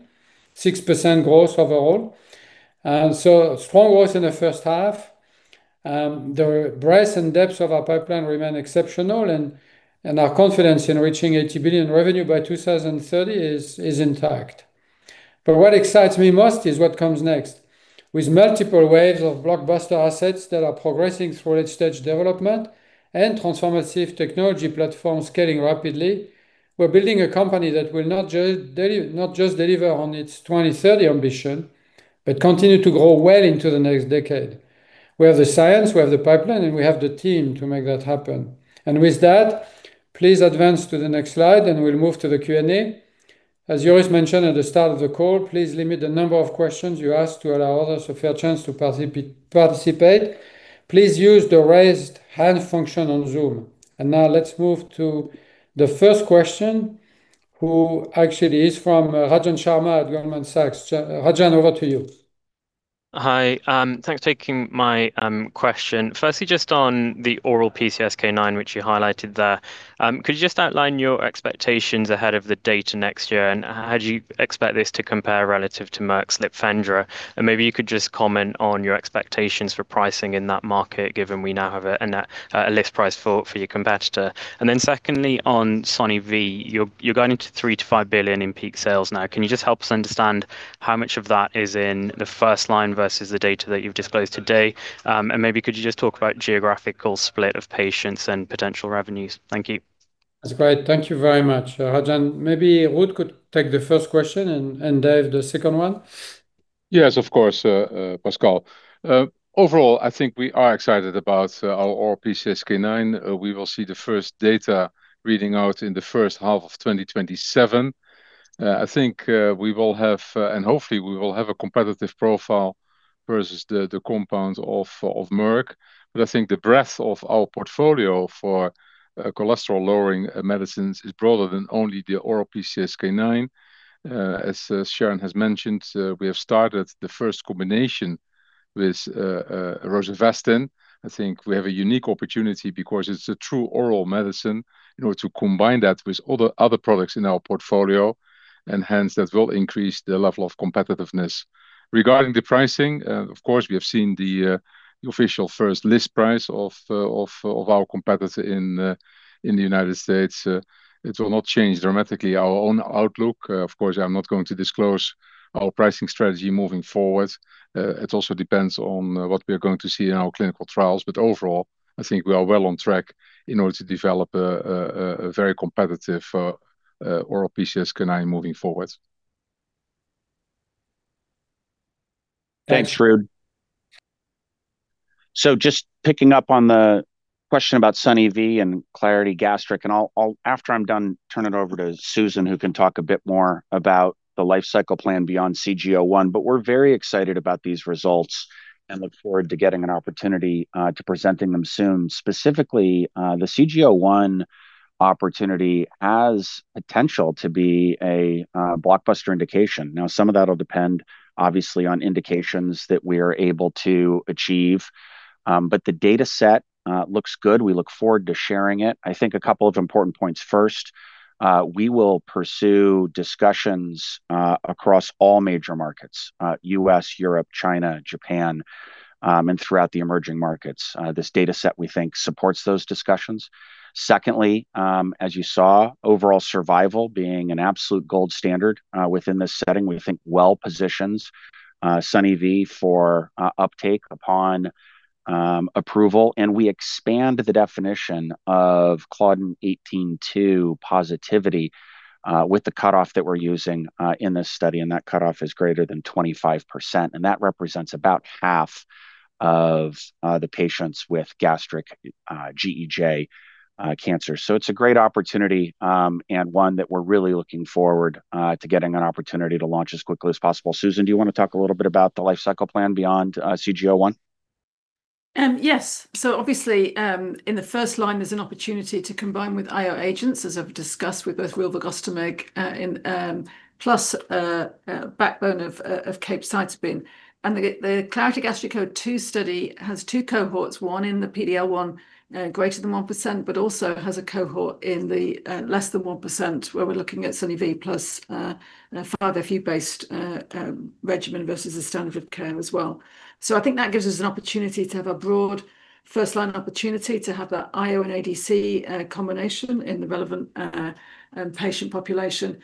6% growth overall. Strong growth in the first half. The breadth and depth of our pipeline remain exceptional, and our confidence in reaching $80 billion revenue by 2030 is intact. What excites me most is what comes next. With multiple waves of blockbuster assets that are progressing through late-stage development and transformative technology platforms scaling rapidly, we're building a company that will not just deliver on its 2030 ambition, but continue to grow well into the next decade. We have the science, we have the pipeline, and we have the team to make that happen. With that, please advance to the next slide, and we'll move to the Q&A. As Joris mentioned at the start of the call, please limit the number of questions you ask to allow others a fair chance to participate. Please use the raise hand function on Zoom. Now let's move to the first question. Who actually is from Rajan Sharma at Goldman Sachs. Rajan, over to you. Hi. Thanks for taking my question. Firstly, just on the oral PCSK9, which you highlighted there, could you just outline your expectations ahead of the data next year, and how do you expect this to compare relative to Merck's Lynparza? Maybe you could just comment on your expectations for pricing in that market, given we now have a list price for your competitor. Secondly, on Sone-Ve, you're going into $3 billion-$5 billion in peak sales now. Can you just help us understand how much of that is in the first-line versus the data that you've disclosed today? Maybe could you just talk about geographical split of patients and potential revenues? Thank you. That's great. Thank you very much, Rajan. Maybe Ruud could take the first question and Dave, the second one. Yes, of course, Pascal. Overall, I think we are excited about our oral PCSK9. We will see the first data reading out in the first half of 2027. I think we will have, and hopefully we will have a competitive profile versus the compounds of Merck. I think the breadth of our portfolio for cholesterol-lowering medicines is broader than only the oral PCSK9. As Sharon has mentioned, we have started the first combination with rosuvastatin. I think we have a unique opportunity because it's a true oral medicine in order to combine that with other products in our portfolio, and hence that will increase the level of competitiveness. Regarding the pricing, of course, we have seen the official first list price of our competitor in the United States. It will not change dramatically our own outlook. Of course, I'm not going to disclose our pricing strategy moving forward. It also depends on what we are going to see in our clinical trials. Overall, I think we are well on track in order to develop a very competitive oral PCSK9 moving forward. Thanks, Ruud. Just picking up on the question about Sone-Ve and CLARITY-Gastric, and after I'm done, turn it over to Susan, who can talk a bit more about the life cycle plan beyond CG01. We're very excited about these results and look forward to getting an opportunity to presenting them soon. Specifically, the CG01 opportunity has potential to be a blockbuster indication. Some of that'll depend, obviously, on indications that we are able to achieve. The data set looks good. We look forward to sharing it. I think a couple of important points. First, we will pursue discussions across all major markets: U.S., Europe, China, Japan, and throughout the emerging markets. This data set, we think, supports those discussions. Secondly, as you saw, overall survival being an absolute gold standard within this setting, we think well positions Sone-Ve for uptake upon approval. We expand the definition of CLDN18.2 positivity with the cutoff that we're using in this study, and that cutoff is greater than 25%, and that represents about half of the patients with gastric GEJ cancer. It's a great opportunity, and one that we're really looking forward to getting an opportunity to launch as quickly as possible. Susan, do you want to talk a little bit about the life cycle plan beyond CG01? Yes. Obviously, in the first line, there's an opportunity to combine with IO agents, as I've discussed, with both Rilvegostomig plus a backbone of capecitabine. The CLARITY-Gastric02 study has two cohorts, one in the PD-L1 greater than 1%, but also has a cohort in the less than 1%, where we're looking at Sone-Ve plus a 5-FU based regimen versus the standard of care as well. I think that gives us an opportunity to have a broad first-line opportunity to have that IO and ADC combination in the relevant patient population.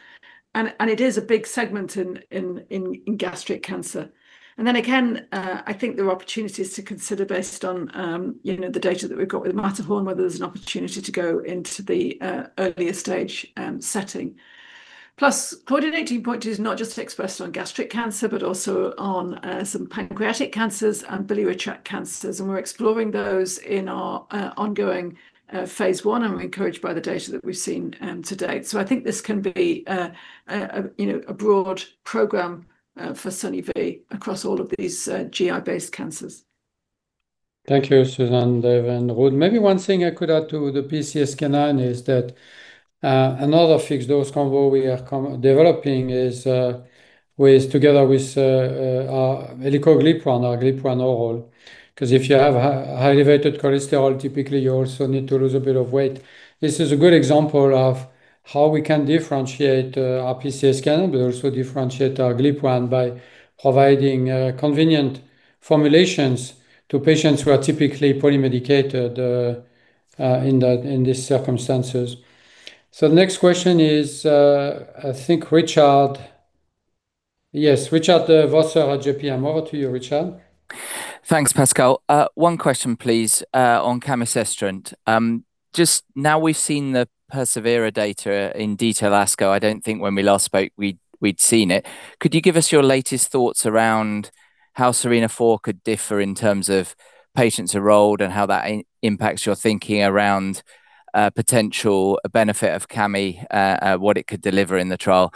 It is a big segment in gastric cancer. Again, I think there are opportunities to consider based on the data that we've got with MATTERHORN, whether there's an opportunity to go into the earlier stage setting. CLDN18.2 is not just expressed on gastric cancer, but also on some pancreatic cancers and biliary tract cancers, and we're exploring those in our ongoing phase I, and we're encouraged by the data that we've seen to date. I think this can be a broad program for Sone-Ve across all of these GI-based cancers. Thank you, Susan, Dave, and Ruud. Maybe one thing I could add to the PCSK9 is that another fixed-dose combo we are developing is together with our elecoglipron, our glipron oral, because if you have elevated cholesterol, typically you also need to lose a bit of weight. This is a good example of how we can differentiate our PCSK9, but also differentiate our glipron by providing convenient formulations to patients who are typically polymedicated in these circumstances. The next question is, I think Richard. Yes, Richard Vosser at JPM. Over to you, Richard. Thanks, Pascal. One question, please, on camizestrant. Just now we've seen the PERSEVERE data in detail. ASCO, I don't think when we last spoke we'd seen it. Could you give us your latest thoughts around how SERENA-4 could differ in terms of patients enrolled and how that impacts your thinking around potential benefit of cami, what it could deliver in the trial?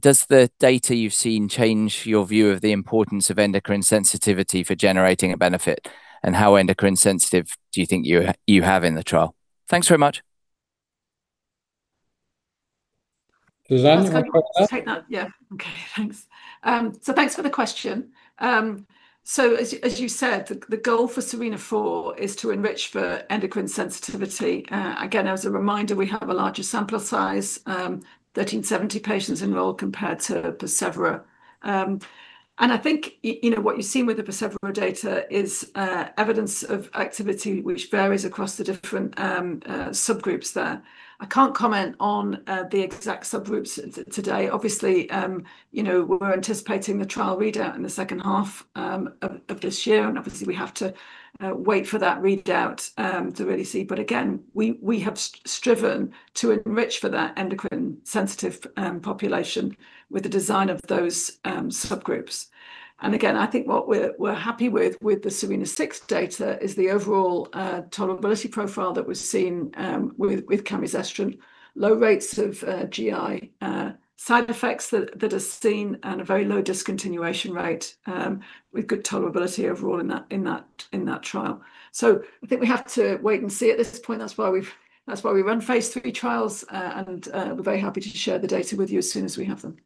Does the data you've seen change your view of the importance of endocrine sensitivity for generating a benefit, and how endocrine sensitive do you think you have in the trial? Thanks very much. Susan, you want to take that? I'll take that. Yeah. Okay, thanks. Thanks for the question. As you said, the goal for SERENA-4 is to enrich for endocrine sensitivity. Again, as a reminder, we have a larger sample size, 1,370 patients enrolled compared to PERSEVERE. I think what you've seen with the PERSEVERE data is evidence of activity which varies across the different subgroups there. I can't comment on the exact subgroups today. Obviously, we're anticipating the trial readout in the second half of this year, obviously, we have to wait for that readout to really see. Again, we have striven to enrich for that endocrine-sensitive population with the design of those subgroups. Again, I think what we're happy with the SERENA-4 data is the overall tolerability profile that was seen with camizestrant. Low rates of GI side effects that are seen and a very low discontinuation rate with good tolerability overall in that trial. I think we have to wait and see at this point. That's why we run phase III trials, and we're very happy to share the data with you as soon as we have them.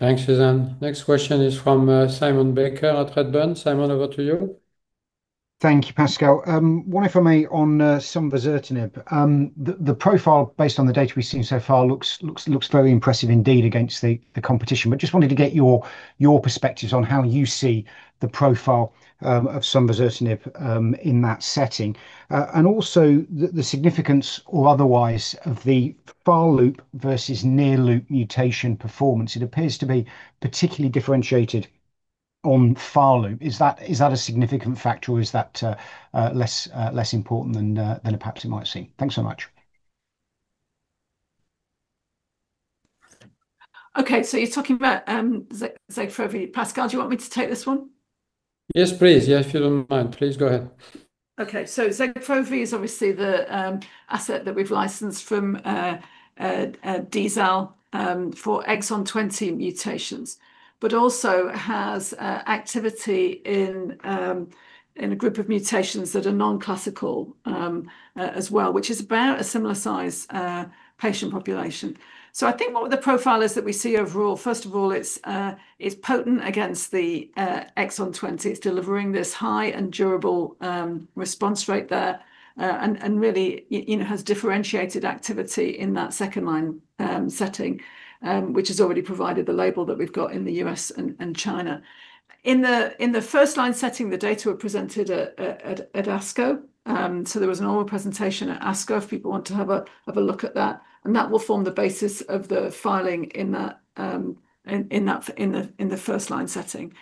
Thanks, Susan. Next question is from Simon Baker at Redburn. Simon, over to you. Thank you, Pascal. One, if I may, on osimertinib. The profile based on the data we've seen so far looks very impressive indeed against the competition. Just wanted to get your perspectives on how you see the profile of osimertinib in that setting. Also, the significance or otherwise of the far loop versus near loop mutation performance. It appears to be particularly differentiated on far loop. Is that a significant factor or is that less important than perhaps it might seem? Thanks so much You're talking about Zegfrovy. Pascal, do you want me to take this one? Yes, please. If you don't mind. Please go ahead. Zegfrovy is obviously the asset that we've licensed from Dizal for exon 20 mutations, but also has activity in a group of mutations that are non-classical as well, which is about a similar size patient population. What the profile is that we see overall, first of all, it's potent against the exon 20. It's delivering this high and durable response rate there, and really, has differentiated activity in that second-line setting, which has already provided the label that we've got in the U.S. and China. In the first-line setting, the data were presented at ASCO. There was an oral presentation at ASCO if people want to have a look at that, and that will form the basis of the filing in the first-line setting.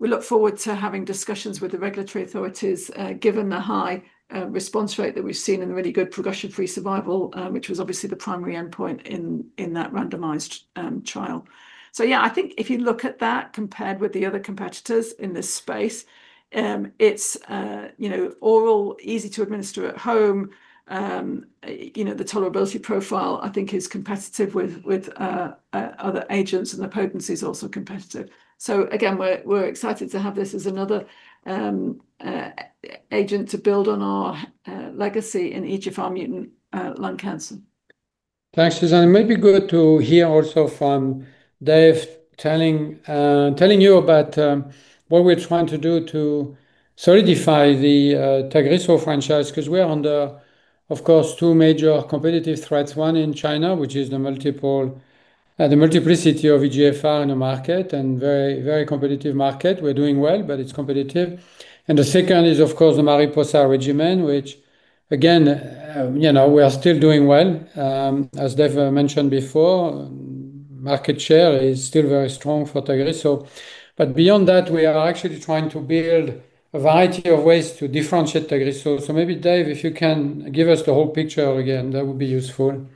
We look forward to having discussions with the regulatory authorities, given the high response rate that we've seen and the really good progression-free survival, which was obviously the primary endpoint in that randomized trial. Yeah, I think if you look at that compared with the other competitors in this space, it's oral, easy to administer at home. The tolerability profile, I think, is competitive with other agents, and the potency is also competitive. Again, we're excited to have this as another agent to build on our legacy in EGFR mutant lung cancer. Thanks, Susan. It may be good to hear also from Dave, telling you about what we're trying to do to solidify the Tagrisso franchise because we are under, of course, two major competitive threats, one in China, which is the multiplicity of EGFR in the market and very competitive market. We're doing well, but it's competitive. The second is, of course, the MARIPOSA regimen, which again, we are still doing well. As Dave mentioned before, market share is still very strong for Tagrisso. Beyond that, we are actually trying to build a variety of ways to differentiate Tagrisso. Maybe Dave, if you can give us the whole picture again, that would be useful.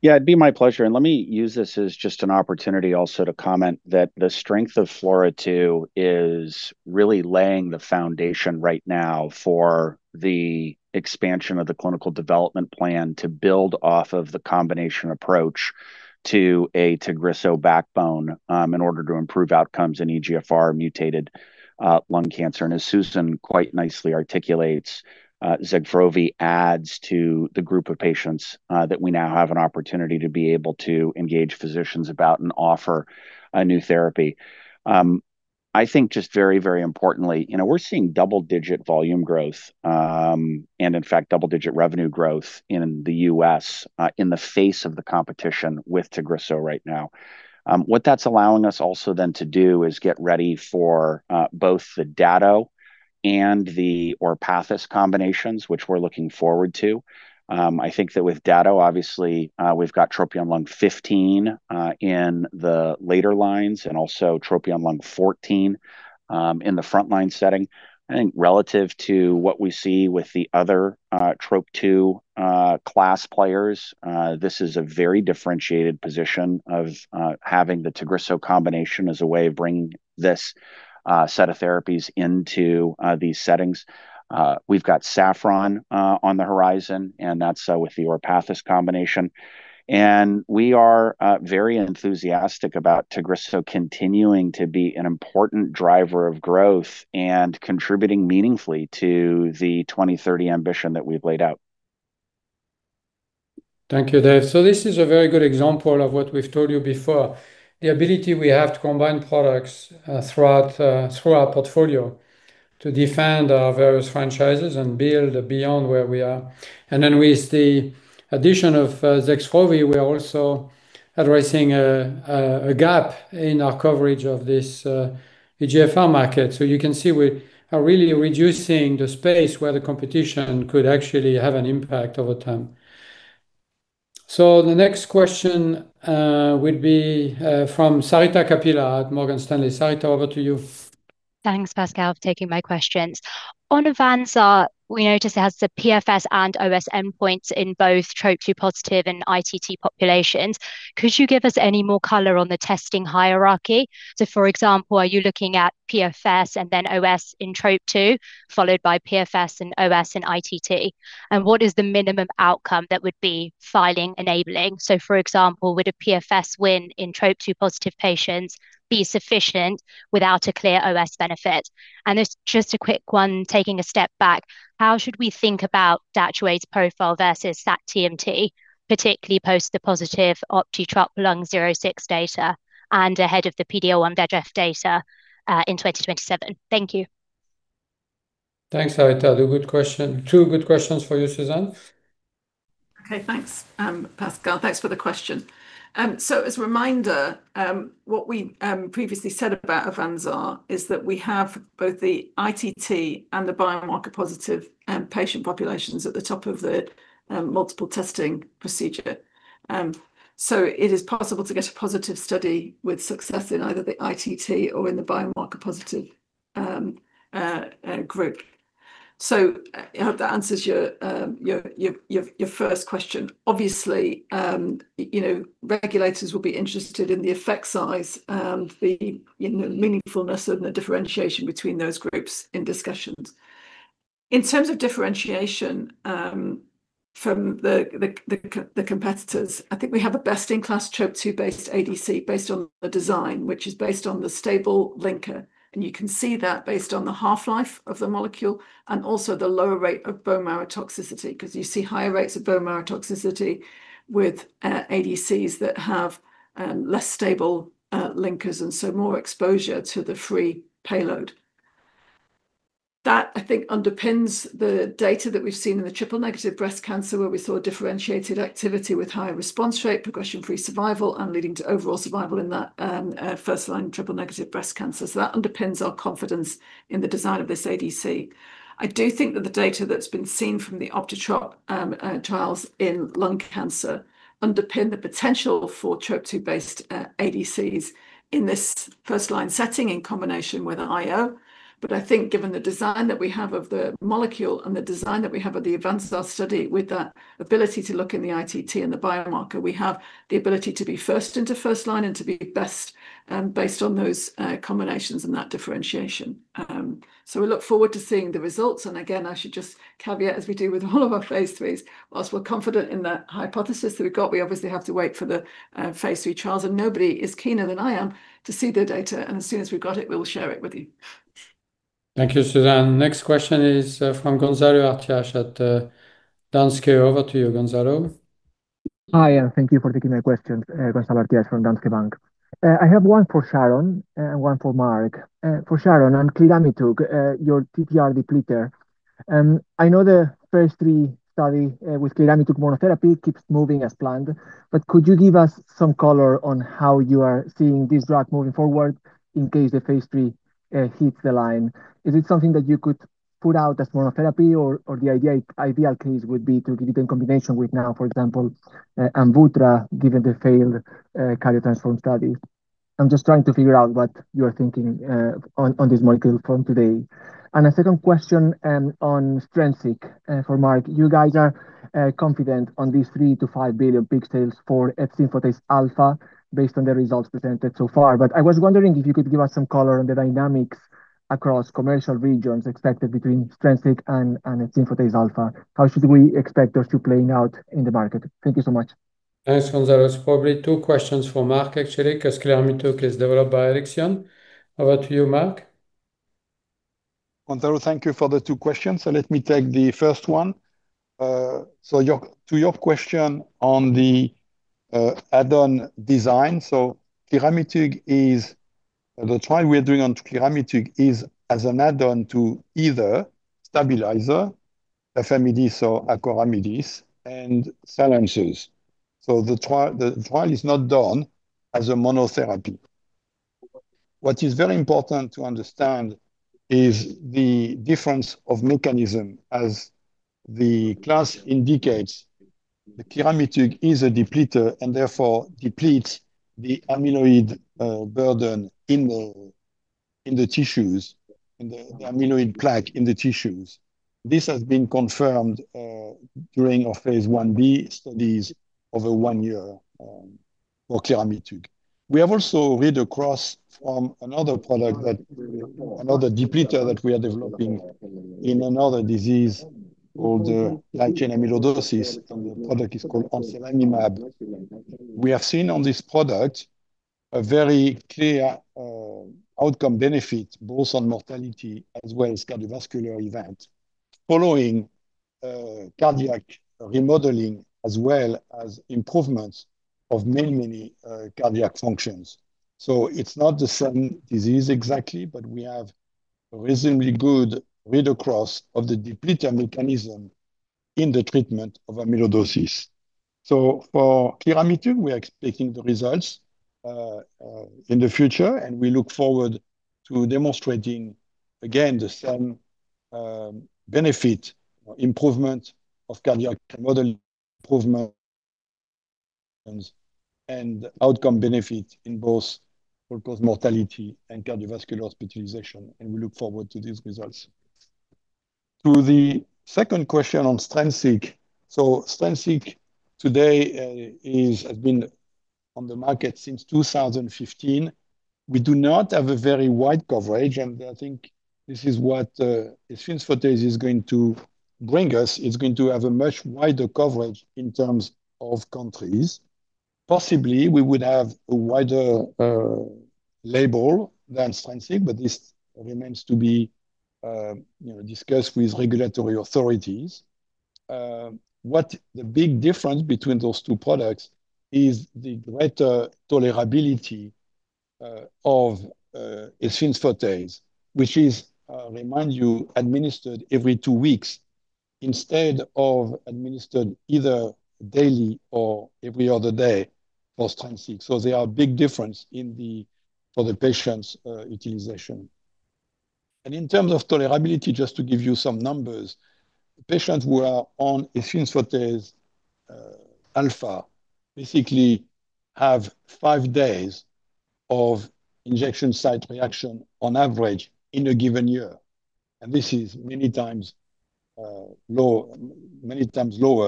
Yeah, it'd be my pleasure. Let me use this as just an opportunity also to comment that the strength of FLAURA2 is really laying the foundation right now for the expansion of the clinical development plan to build off of the combination approach to a Tagrisso backbone in order to improve outcomes in EGFR mutated lung cancer. As Susan quite nicely articulates, Zegfrovy adds to the group of patients that we now have an opportunity to be able to engage physicians about and offer a new therapy. I think just very importantly, we're seeing double-digit volume growth, and in fact, double-digit revenue growth in the U.S. in the face of the competition with Tagrisso right now. What that's allowing us also then to do is get ready for both the Dato and the Orpathys combinations, which we're looking forward to. I think that with Dato, obviously, we've got TROPION-Lung15 in the later lines and also TROPION-Lung14 in the frontline setting. I think relative to what we see with the other TROP2 class players, this is a very differentiated position of having the Tagrisso combination as a way of bringing this set of therapies into these settings. We've got SAFFRON on the horizon, and that's with the Orpathys combination. We are very enthusiastic about Tagrisso continuing to be an important driver of growth and contributing meaningfully to the 2030 ambition that we've laid out. Thank you, Dave. This is a very good example of what we've told you before. The ability we have to combine products through our portfolio to defend our various franchises and build beyond where we are. With the addition of Zegfrovy, we are also addressing a gap in our coverage of this EGFR market. You can see we are really reducing the space where the competition could actually have an impact over time. The next question will be from Sarita Kapila at Morgan Stanley. Sarita, over to you. Thanks, Pascal, for taking my questions. On AVANZAR, we noticed it has the PFS and OS endpoints in both TROP2 positive and ITT populations. Could you give us any more color on the testing hierarchy? For example, are you looking at PFS and then OS in TROP2, followed by PFS and OS and ITT? What is the minimum outcome that would be filing enabling? For example, would a PFS win in TROP2-positive patients be sufficient without a clear OS benefit? There's just a quick one, taking a step back. How should we think about Dato's profile versus sacituzumab, particularly post the positive OptiTrop-Lung06 data and ahead of the PD-L1 data in 2027? Thank you. Thanks, Sarita. Two good questions for you, Susan. Okay, thanks, Pascal. Thanks for the question. As a reminder, what we previously said about AVANZAR is that we have both the ITT and the biomarker positive patient populations at the top of the multiple testing procedure. It is possible to get a positive study with success in either the ITT or in the biomarker positive group. I hope that answers your first question. Obviously, regulators will be interested in the effect size, the meaningfulness and the differentiation between those groups in discussions. In terms of differentiation from the competitors, I think we have a best-in-class TROP2-based ADC based on the design, which is based on the stable linker. You can see that based on the half-life of the molecule and also the lower rate of bone marrow toxicity because you see higher rates of bone marrow toxicity with ADCs that have less stable linkers and more exposure to the free payload. That I think underpins the data that we've seen in the triple-negative breast cancer where we saw differentiated activity with high response rate, progression-free survival, and leading to overall survival in that first-line triple-negative breast cancer. That underpins our confidence in the design of this ADC. I do think that the data that's been seen from the Optitrop trials in lung cancer underpin the potential for TROP2-based ADCs in this first-line setting in combination with IO. I think given the design that we have of the molecule and the design that we have of the advanced cell study with that ability to look in the ITT and the biomarker, we have the ability to be first into first-line and to be best based on those combinations and that differentiation. We look forward to seeing the results and again, I should just caveat as we do with all of our phase III, whilst we're confident in the hypothesis that we've got, we obviously have to wait for the phase III trials and nobody is keener than I am to see the data and as soon as we've got it, we will share it with you. Thank you, Susan. Next question is from Gonzalo Artiach at Danske. Over to you, Gonzalo. Hi, thank you for taking my question. Gonzalo Artiach from Danske Bank. I have one for Sharon and one for Marc. For Sharon on cliramitug, your TTR depleter. I know the phase III study with cliramitug monotherapy keeps moving as planned, but could you give us some color on how you are seeing this drug moving forward in case the phase III hits the line? Is it something that you could put out as monotherapy or the ideal case would be to give it in combination with now, for example, AMVUTTRA, given the failed CARDIO-TTRansform study? I'm just trying to figure out what you're thinking on this molecule from today. A second question on Strensiq for Marc. You guys are confident on these $3 billion-$5 billion peak sales for efzimfotase alfa based on the results presented so far. I was wondering if you could give us some color on the dynamics across commercial regions expected between Strensiq and efzimfotase alfa. How should we expect those two playing out in the market? Thank you so much. Thanks, Gonzalo. It's probably two questions for Marc actually because cliramitug is developed by Alexion. Over to you, Marc. Gonzalo, thank you for the two questions. Let me take the first one. To your question on the add-on design, the trial we are doing on cliramitug is as an add-on to either stabilizer, tafamidis or acoramidis, and Silences. The trial is not done as a monotherapy. What is very important to understand is the difference of mechanism as the class indicates, the cliramitug is a depleter and therefore depletes the amyloid burden in the tissues, the amyloid plaque in the tissues. This has been confirmed during our phase I-B studies over one year for cliramitug. We have also read across from another product, another depleter that we are developing in another disease or the light chain amyloidosis and the product is called anselamimab. We have seen on this product a very clear outcome benefit both on mortality as well as cardiovascular event following cardiac remodeling as well as improvements of many cardiac functions. It's not the same disease exactly, but we have reasonably good read-across of the depleter mechanism in the treatment of amyloidosis. For cliramitug, we are expecting the results in the future and we look forward to demonstrating again the same benefit, improvement of cardiac remodeling, improvement and outcome benefit in both all-cause mortality and cardiovascular hospitalization. We look forward to these results. To the second question on Strensiq. Strensiq today has been on the market since 2015. We do not have a very wide coverage and I think this is what efzimfotase is going to bring us. It's going to have a much wider coverage in terms of countries. Possibly we would have a wider label than Strensiq, but this remains to be discussed with regulatory authorities. What the big difference between those two products is the greater tolerability of efzimfotase, which is, remind you, administered every two weeks instead of administered either daily or every other day for Strensiq. There are big difference for the patient's utilization. In terms of tolerability, just to give you some numbers, patients who are on efzimfotase alfa basically have five days of injection site reaction on average in a given year. This is many times lower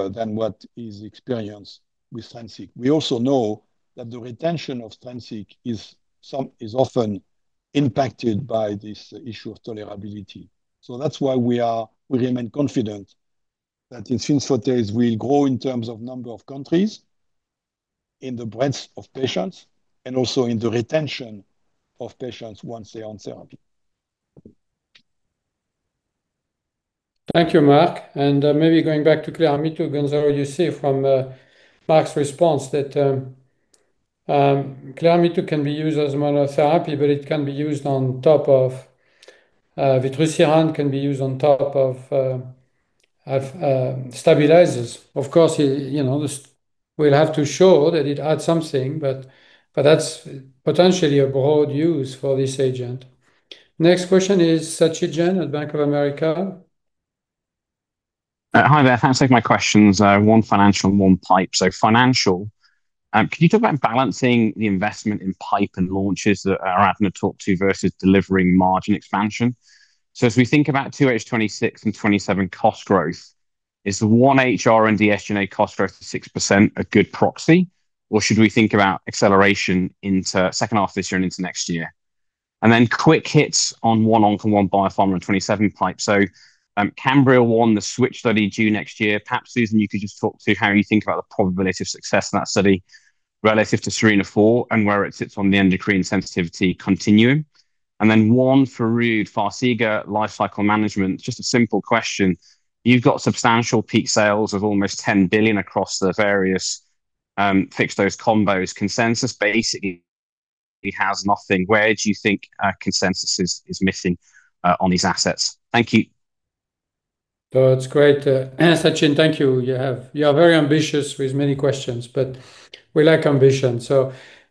than what is experienced with Strensiq. We also know that the retention of Strensiq is often impacted by this issue of tolerability. That's why we remain confident that in efzimfotase days, we'll grow in terms of number of countries, in the breadth of patients, and also in the retention of patients once they're on therapy. Thank you, Marc. Maybe going back to cliramitug, Gonzalo, you see from Marc's response that cliramitug can be used as monotherapy, it can be used on top of vutrisiran, can be used on top of stabilizers. Of course, we'll have to show that it adds something, that's potentially a broad use for this agent. Next question is Sachin Jain at Bank of America. Hi there. Thanks for taking my questions, one financial and one pipe. Financial, can you talk about balancing the investment in pipe and launches that Aradhana talked to versus delivering margin expansion? As we think about 2H 2026 and 2027 cost growth, is the 1H and SG&A cost growth to 6% a good proxy, or should we think about acceleration into second half of this year and into next year? Then quick hits on one oncomod, one biofarm on 2027 pipe. CAMBRIA-1, the switch study due next year. Perhaps, Susan, you could just talk to how you think about the probability of success in that study relative to SERENA-4 and where it sits on the endocrine sensitivity continuum. Then one for Ruud, Farxiga, lifecycle management. Just a simple question. You've got substantial peak sales of almost $10 billion across the various fixed-dose combos. Consensus basically has nothing. Where do you think consensus is missing on these assets? Thank you. That's great. Sachin, thank you. You are very ambitious with many questions, we like ambition.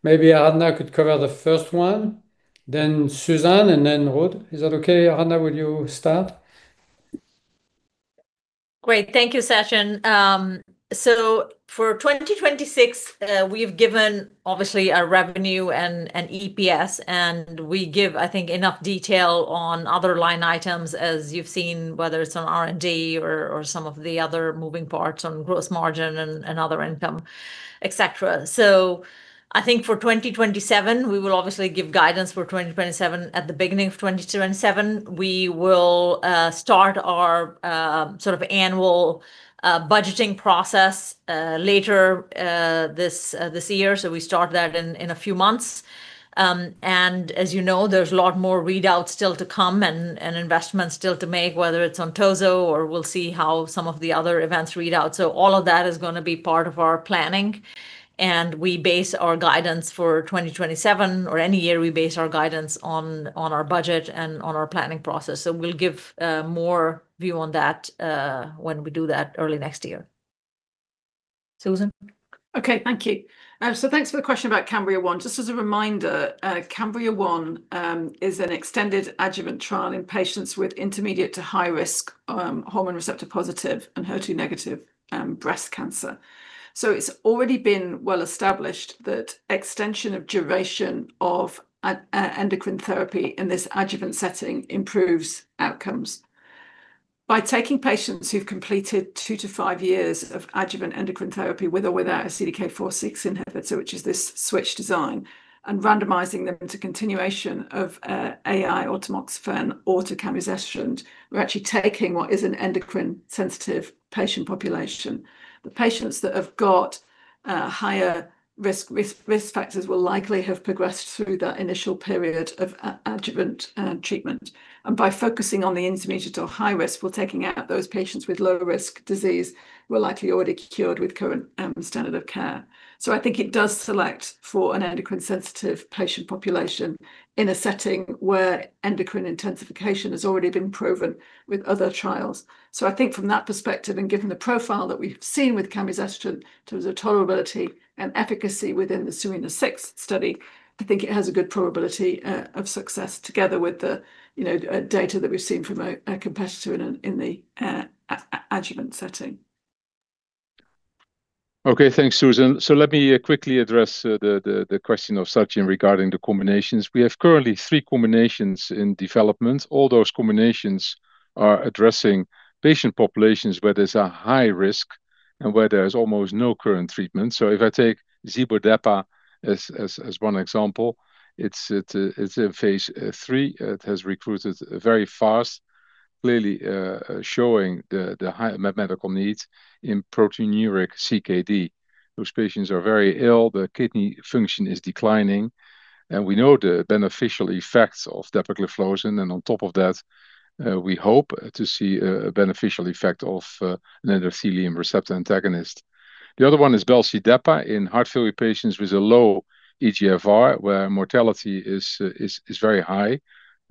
Maybe Aradhana could cover the first one, then Susan, and then Ruud. Is that okay, Aradhana? Will you start? Great. Thank you, Sachin. For 2026, we've given obviously our revenue and EPS, and we give, I think, enough detail on other line items, as you've seen, whether it's on R&D or some of the other moving parts on gross margin and other income, et cetera. I think for 2027, we will obviously give guidance for 2027 at the beginning of 2027. We will start our sort of annual budgeting process later this year. We start that in a few months. As you know, there's a lot more readouts still to come and investments still to make, whether it's on Tozo or we'll see how some of the other events read out. All of that is going to be part of our planning, and we base our guidance for 2027, or any year, we base our guidance on our budget and on our planning process. We'll give more view on that when we do that early next year. Susan? Okay. Thank you. Thanks for the question about CAMBRIA-1. Just as a reminder, CAMBRIA-1 is an extended adjuvant trial in patients with intermediate to high risk hormone receptor positive and HER2 negative breast cancer. It's already been well established that extension of duration of endocrine therapy in this adjuvant setting improves outcomes. By taking patients who've completed two-five years of adjuvant endocrine therapy with or without a CDK4/6 inhibitor, which is this switch design, and randomizing them into continuation of AI or tamoxifen or to camizestrant, we're actually taking what is an endocrine sensitive patient population. The patients that have got higher risk factors will likely have progressed through that initial period of adjuvant treatment. By focusing on the intermediate or high risk, we're taking out those patients with low risk disease who are likely already cured with current standard of care. I think it does select for an endocrine sensitive patient population in a setting where endocrine intensification has already been proven with other trials. I think from that perspective, and given the profile that we've seen with camizestrant in terms of tolerability and efficacy within the SERENA-6 study, I think it has a good probability of success together with the data that we've seen from a competitor in the adjuvant setting. Okay. Thanks, Susan. Let me quickly address the question of Sachin regarding the combinations. We have currently three combinations in development. All those combinations are addressing patient populations where there's a high risk and where there's almost no current treatment. If I take Zibo-Depa as one example, it's in phase III. It has recruited very fast, clearly showing the high medical needs in proteinuria CKD. Those patients are very ill. Their kidney function is declining, and we know the beneficial effects of dapagliflozin, and on top of that, we hope to see a beneficial effect of an endothelin receptor antagonist. The other one is Balci-Depa in heart failure patients with a low eGFR, where mortality is very high,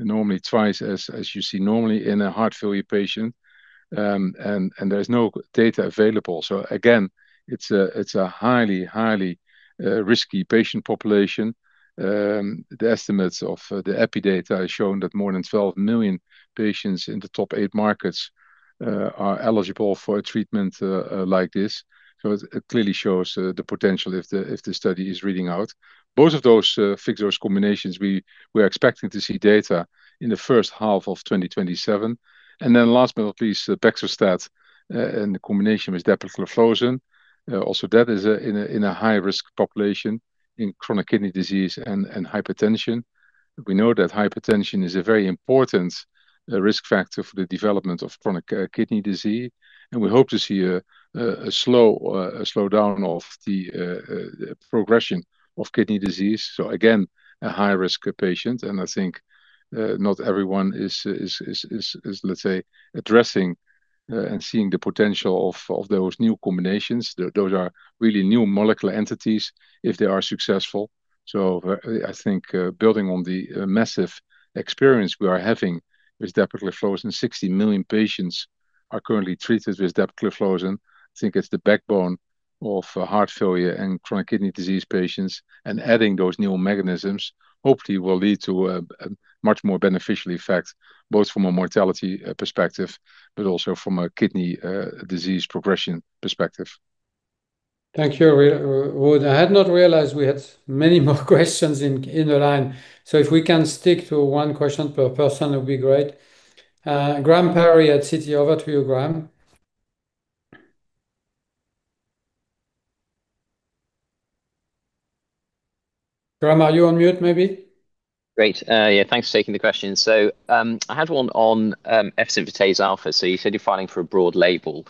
normally twice as you see normally in a heart failure patient. There is no data available. Again, it's a highly risky patient population. The estimates of the epi data have shown that more than 12 million patients in the top eight markets are eligible for a treatment like this. It clearly shows the potential if the study is reading out. Both of those fixed-dose combinations, we are expecting to see data in the first half of 2027. Then last but not least, baxdrostat in the combination with dapagliflozin. Also, that is in a high-risk population in chronic kidney disease and hypertension. We know that hypertension is a very important risk factor for the development of chronic kidney disease, and we hope to see a slowdown of the progression of kidney disease. Again, a high-risk patient, and I think not everyone is, let's say, addressing and seeing the potential of those new combinations. Those are really new molecular entities if they are successful. I think building on the massive experience we are having with dapagliflozin, 60 million patients are currently treated with dapagliflozin. It's the backbone of heart failure and chronic kidney disease patients, adding those new mechanisms hopefully will lead to a much more beneficial effect, both from a mortality perspective, also from a kidney disease progression perspective. Thank you, Ruud. I had not realized we had many more questions in the line. If we can stick to one question per person, it would be great. Graham Parry at Citi. Over to you, Graham. Graham, are you on mute, maybe? Thanks for taking the question. I had one on efzimfotase alfa. You said you're filing for a broad label.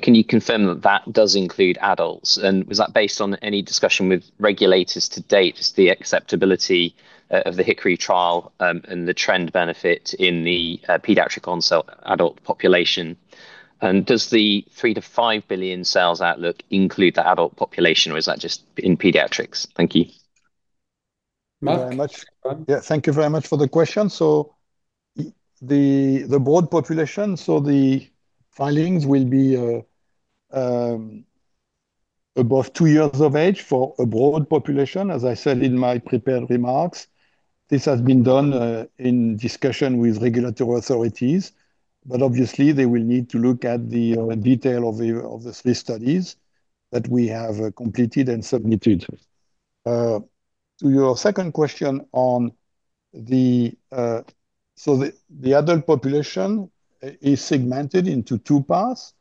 Can you confirm that that does include adults? Was that based on any discussion with regulators to date, the acceptability of the HICKORY trial, and the trend benefit in the pediatric onset adult population? Does the $3 billion-$5 billion sales outlook include the adult population, or is that just in pediatrics? Thank you. Marc? Thank you very much for the question. The broad population, the filings will be above two years of age for a broad population, as I said in my prepared remarks. This has been done in discussion with regulatory authorities. Obviously, they will need to look at the detail of the three studies that we have completed and submitted. To your second question on the adult population is segmented into two parts,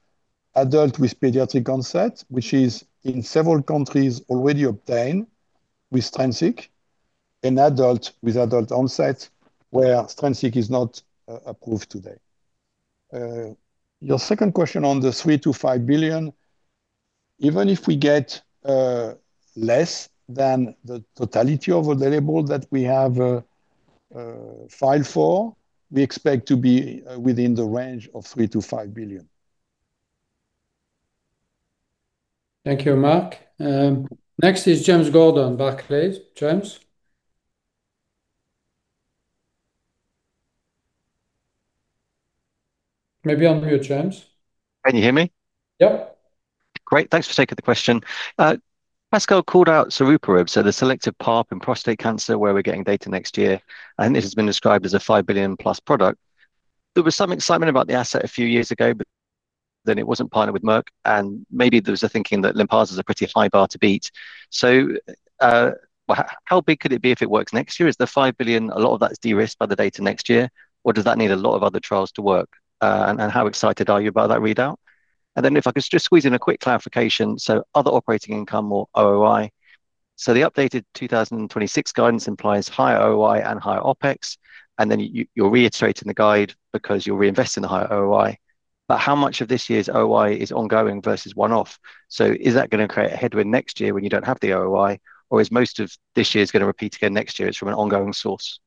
adult with pediatric onset, which is in several countries already obtained with Strensiq, and adult with adult onset, where Strensiq is not approved today. Your second question on the $3 billion-$5 billion, even if we get less than the totality of the label that we have filed for, we expect to be within the range of $3 billion-$5 billion. Thank you, Marc. Next is James Gordon, Barclays. James. Maybe on mute, James. Can you hear me? Yep. Great. Thanks for taking the question. Pascal called out saruparib, the selective PARP in prostate cancer where we're getting data next year, and this has been described as a $5 billion+ product. There was some excitement about the asset a few years ago, then it wasn't partnered with Merck, and maybe there was a thinking that Lynparza is a pretty high bar to beat. How big could it be if it works next year? Is the $5 billion, a lot of that is de-risked by the data next year, or does that need a lot of other trials to work? How excited are you about that readout? Then if I could just squeeze in a quick clarification. Other operating income or OOI. The updated 2026 guidance implies higher OOI and higher OpEx, then you're reiterating the guide because you're reinvesting the higher OOI. How much of this year's OOI is ongoing versus one-off? Is that going to create a headwind next year when you don't have the OOI, or is most of this year's going to repeat again next year, it's from an ongoing source?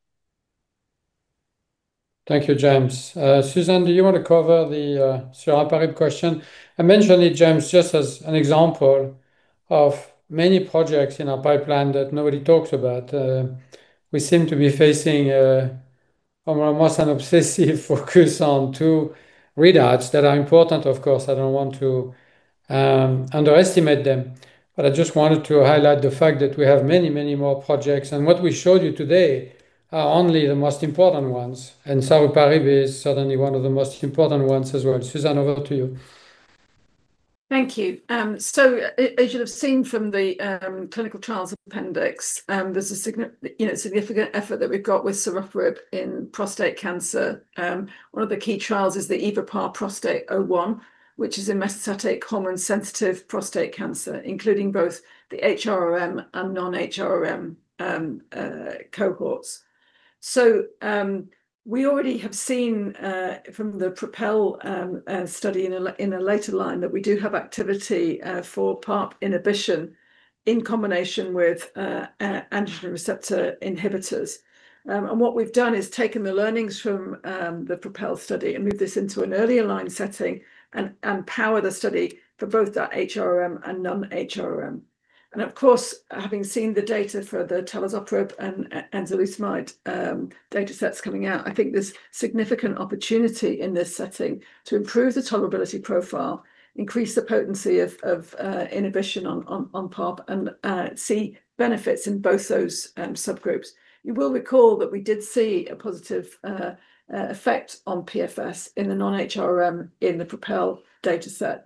Thank you, James. Susan, do you want to cover the saruparib question? I mentioned it, James, just as an example of many projects in our pipeline that nobody talks about. We seem to be facing almost an obsessive focus on two readouts that are important, of course. I don't want to underestimate them. I just wanted to highlight the fact that we have many, many more projects, and what we showed you today are only the most important ones. Saruparib is certainly one of the most important ones as well. Susan, over to you. Thank you. As you'll have seen from the clinical trials appendix, there's a significant effort that we've got with saruparib in prostate cancer. One of the key trials is the EvoPAR-Prostate01, which is in metastatic hormone-sensitive prostate cancer, including both the HRRM and non-HRRM cohorts. We already have seen from the PROpel study in a later line that we do have activity for PARP inhibition in combination with androgen receptor inhibitors. What we've done is taken the learnings from the PROpel study and moved this into an earlier line setting and power the study for both our HRRM and non-HRRM. Of course, having seen the data for the talazoparib and enzalutamide datasets coming out, I think there's significant opportunity in this setting to improve the tolerability profile, increase the potency of inhibition on PARP, and see benefits in both those subgroups. You will recall that we did see a positive effect on PFS in the non-HRRM in the PROpel dataset.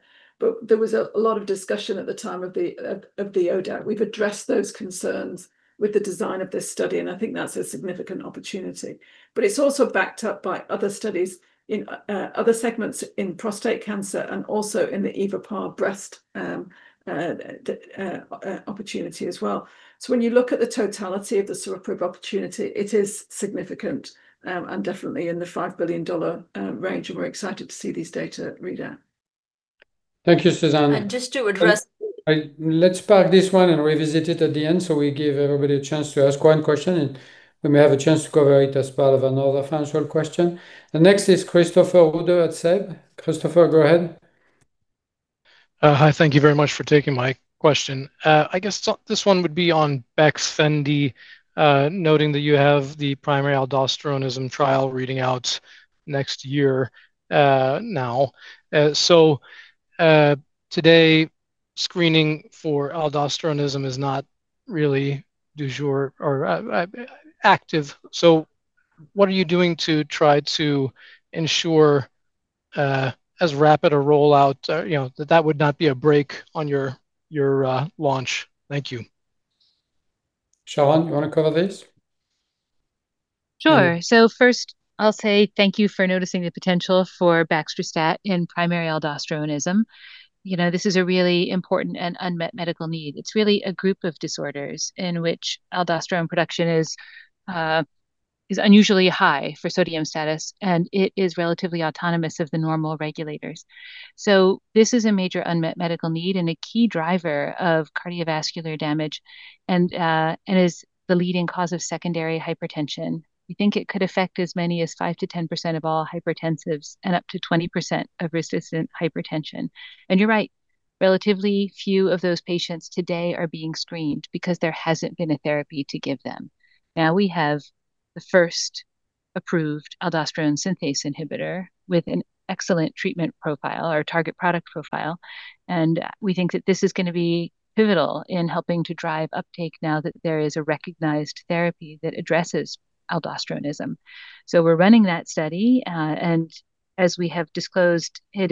There was a lot of discussion at the time of the ODAC. We've addressed those concerns with the design of this study, and I think that's a significant opportunity. It's also backed up by other studies in other segments in prostate cancer and also in the EvoPAR-Breast opportunity as well. When you look at the totality of the saruparib opportunity, it is significant, and definitely in the $5 billion range, and we're excited to see these data readout. Thank you, Susan. <crosstalk> Let's park this one and revisit it at the end. We give everybody a chance to ask one question. We may have a chance to cover it as part of another financial question. The next is Christopher Uhde at SEB. Christopher, go ahead Hi. Thank you very much for taking my question. I guess this one would be on Baxfendy, noting that you have the primary aldosteronism trial reading out next year now. Today, screening for aldosteronism is not really du jour or active. What are you doing to try to ensure as rapid a rollout that that would not be a break on your launch? Thank you. Sharon, you want to cover this? Sure. First I'll say thank you for noticing the potential for baxdrostat in primary aldosteronism. This is a really important and unmet medical need. It's really a group of disorders in which aldosterone production is unusually high for sodium status, and it is relatively autonomous of the normal regulators. This is a major unmet medical need and a key driver of cardiovascular damage, and is the leading cause of secondary hypertension. We think it could affect as many as 5%-10% of all hypertensives and up to 20% of resistant hypertension. You're right, relatively few of those patients today are being screened because there hasn't been a therapy to give them. We have the first approved aldosterone synthase inhibitor with an excellent treatment profile or target product profile, and we think that this is going to be pivotal in helping to drive uptake now that there is a recognized therapy that addresses aldosteronism. We're running that study, as we have disclosed, it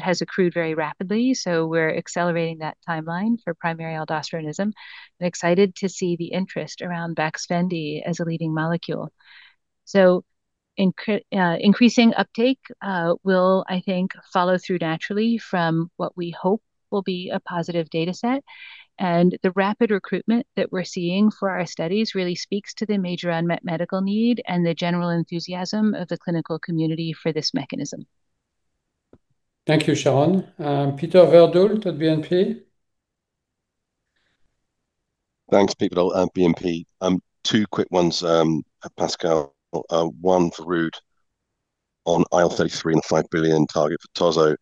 has accrued very rapidly, we're accelerating that timeline for primary aldosteronism, excited to see the interest around Baxfendy as a leading molecule. Increasing uptake will, I think, follow through naturally from what we hope will be a positive data set. The rapid recruitment that we're seeing for our studies really speaks to the major unmet medical need and the general enthusiasm of the clinical community for this mechanism. Thank you, Sharon. Peter Verdult at BNP. Thanks, Peter at BNP. Two quick ones, Pascal. One for Ruud on IL-33 and the $5 billion target for Tozo.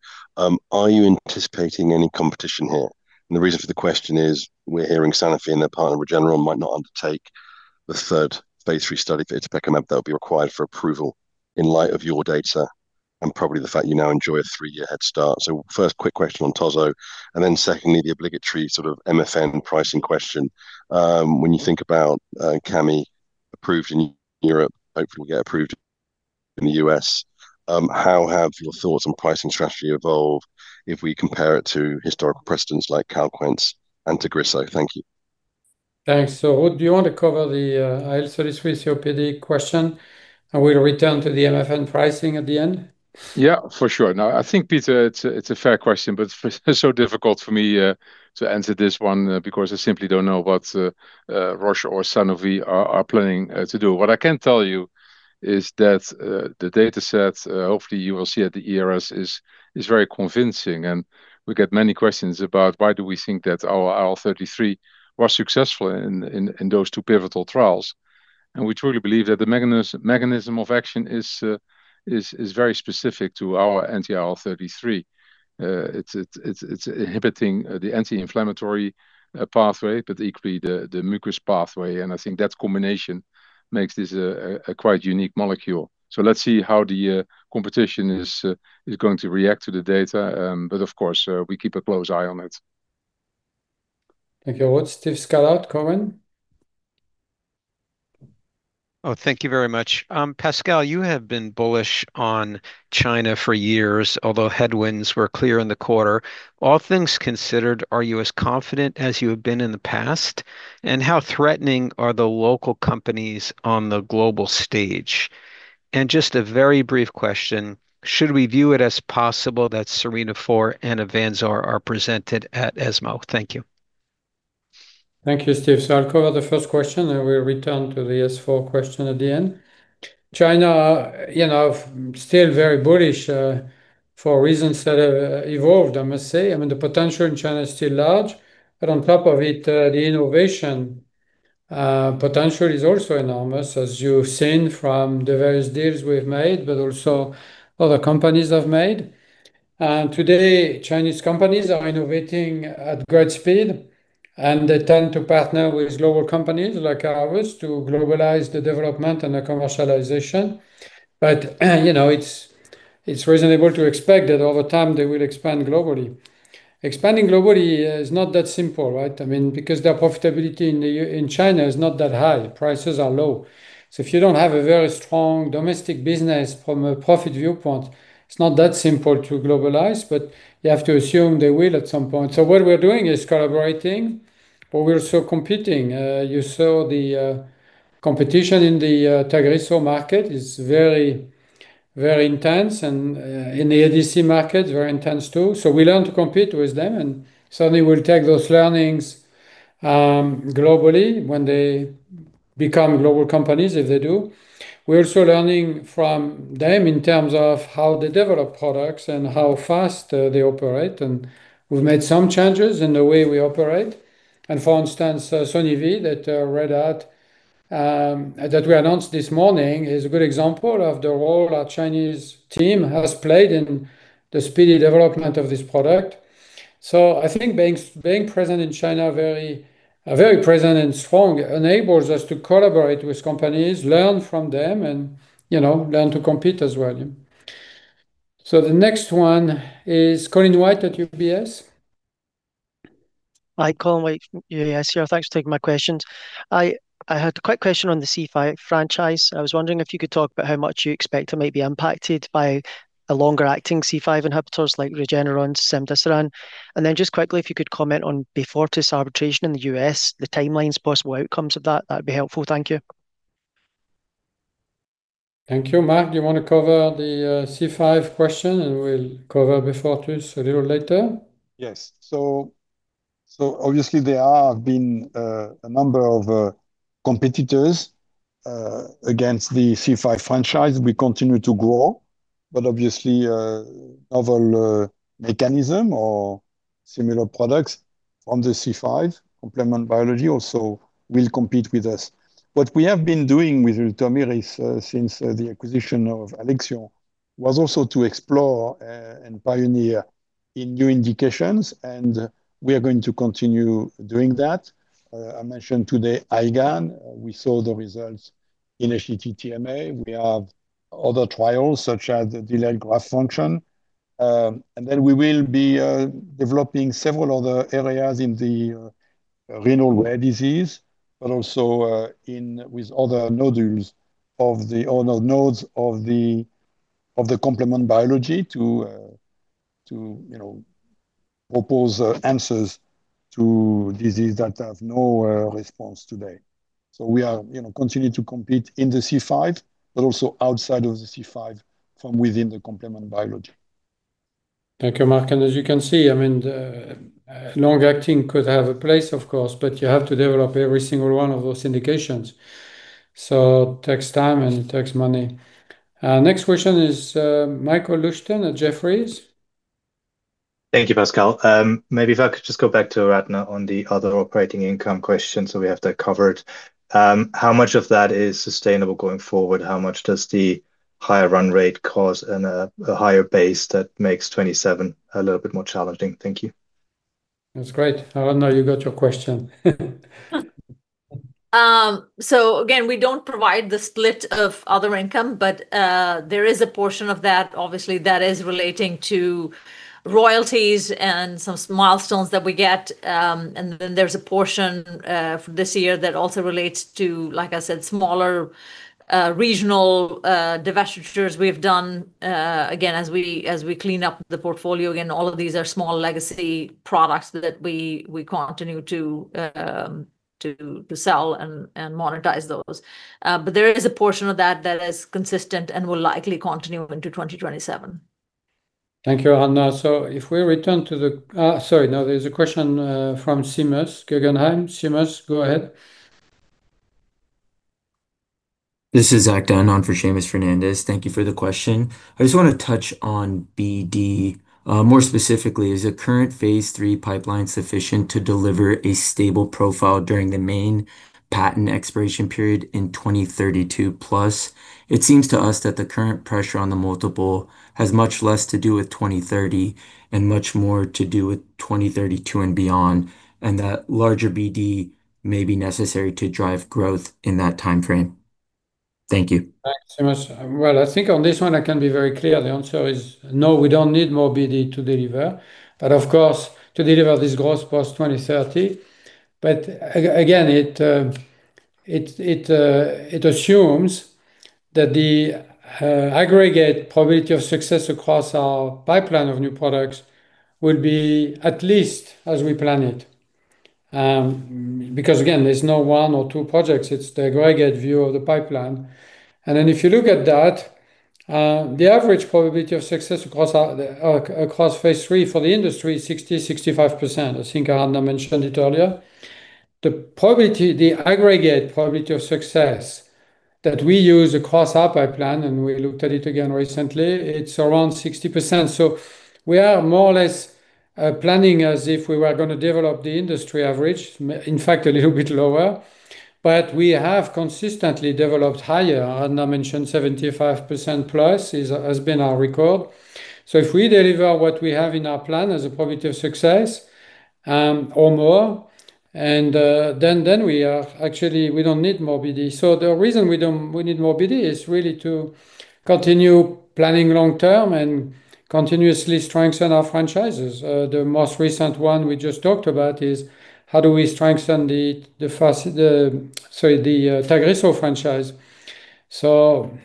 Are you anticipating any competition here? The reason for the question is we're hearing Sanofi and their partner Regeneron might not undertake the third phase III study for itepekimab that will be required for approval in light of your data and probably the fact you now enjoy a three-year head start. First, quick question on Tozo, then secondly, the obligatory sort of MFN pricing question. When you think about Cami approved in Europe, hopefully will get approved in the U.S., how have your thoughts on pricing strategy evolved if we compare it to historical precedents like Calquence and Tagrisso? Thank you. Thanks. Ruud, do you want to cover the IL-33 COPD question? We'll return to the MFN pricing at the end. Yeah, for sure. I think Peter, it's a fair question, but so difficult for me to answer this one because I simply don't know what Roche or Sanofi are planning to do. I can tell you is that the data set, hopefully you will see at the ERS, is very convincing. We get many questions about why do we think that our IL-33 was successful in those two pivotal trials. We truly believe that the mechanism of action is very specific to our anti-IL-33. It's inhibiting the anti-inflammatory pathway, but equally the mucus pathway, and I think that combination makes this a quite unique molecule. Let's see how the competition is going to react to the data, but of course, we keep a close eye on it. Thank you, Ruud. Steve Scala, Cowen. Thank you very much. Pascal, you have been bullish on China for years, although headwinds were clear in the quarter. All things considered, are you as confident as you have been in the past? How threatening are the local companies on the global stage? Just a very brief question, should we view it as possible that SERENA-4 and AVANZAR are presented at ESMO? Thank you. Thank you, Steve. I'll cover the first question, and we'll return to the S4 question at the end. China, still very bullish for reasons that have evolved, I must say. The potential in China is still large, but on top of it, the innovation potential is also enormous, as you've seen from the various deals we've made, but also other companies have made. Today, Chinese companies are innovating at great speed, and they tend to partner with global companies like ours to globalize the development and the commercialization. It's reasonable to expect that over time they will expand globally. Expanding globally is not that simple, right? Because their profitability in China is not that high. Prices are low. If you don't have a very strong domestic business from a profit viewpoint, it's not that simple to globalize, but you have to assume they will at some point. What we're doing is collaborating, but we're also competing. You saw the competition in the Tagrisso market is very intense and in the ADC market very intense, too. We learn to compete with them, and certainly we'll take those learnings globally when they become global companies, if they do. We're also learning from them in terms of how they develop products and how fast they operate, and we've made some changes in the way we operate. For instance, Sone-Ve, that readout that we announced this morning is a good example of the role our Chinese team has played in the speedy development of this product. I think being present in China, very present and strong, enables us to collaborate with companies, learn from them, and learn to compete as well. The next one is Colin White at UBS. Hi, Colin White from UBS here. Thanks for taking my questions. I had a quick question on the C5 franchise. I was wondering if you could talk about how much you expect it might be impacted by the longer-acting C5 inhibitors like Regeneron's cemdisiran. Just quickly, if you could comment on Beyfortus arbitration in the U.S., the timelines, possible outcomes of that would be helpful. Thank you. Thank you. Marc, do you want to cover the C5 question, and we'll cover Beyfortus a little later? Yes. Obviously there have been a number of competitors against the C5 franchise. We continue to grow, but obviously, other mechanism or similar products on the C5 complement biology also will compete with us. What we have been doing with Ultomiris since the acquisition of Alexion was also to explore and pioneer in new indications, and we are going to continue doing that. I mentioned today IgAN. We saw the results in HSCT-TMA. We have other trials such as the delayed graft function. Then we will be developing several other areas in the renal rare disease, but also with other nodes of the complement biology to propose answers to disease that have no response today. We are continuing to compete in the C5, but also outside of the C5 from within the complement biology. Thank you, Marc. As you can see, long-acting could have a place of course, but you have to develop every single one of those indications. It takes time and it takes money. Next question is Michael Leuchten at Jefferies. Thank you, Pascal. Maybe if I could just go back to Aradhana on the other operating income question. We have that covered. How much of that is sustainable going forward? How much does the higher run rate cause a higher base that makes 2027 a little bit more challenging? Thank you. That's great. Aradhana, you got your question. Again, we don't provide the split of other income, there is a portion of that, obviously, that is relating to royalties and some milestones that we get. There's a portion this year that also relates to, like I said, smaller regional divestitures we have done. Again, as we clean up the portfolio, again, all of these are small legacy products that we continue to sell and monetize those. There is a portion of that that is consistent and will likely continue into 2027. Thank you, Aradhana. If we return to the Sorry, no, there's a question from Seamus, Guggenheim. Seamus, go ahead. This is Zach Dunn on for Seamus Fernandez. Thank you for the question. I just want to touch on BD. More specifically, is the current phase III pipeline sufficient to deliver a stable profile during the main patent expiration period in 2032+? It seems to us that the current pressure on the multiple has much less to do with 2030 and much more to do with 2032 and beyond, and that larger BD may be necessary to drive growth in that timeframe. Thank you. Thanks, Seamus. Well, I think on this one I can be very clear. The answer is no, we don't need more BD to deliver. Of course, to deliver this growth post-2030. Again, it assumes that the aggregate probability of success across our pipeline of new products will be at least as we plan it. Again, there's no one or two projects, it's the aggregate view of the pipeline. If you look at that, the average probability of success across phase III for the industry is 60%-65%. I think Aradhana mentioned it earlier. The aggregate probability of success that we use across our pipeline, and we looked at it again recently, it's around 60%. We are more or less planning as if we were going to develop the industry average, in fact, a little bit lower. We have consistently developed higher. Aradhana mentioned 75%+ has been our record. If we deliver what we have in our plan as a probability of success, or more, then actually we don't need more BD. The reason we need more BD is really to continue planning long-term and continuously strengthen our franchises. The most recent one we just talked about is how do we strengthen the Tagrisso franchise.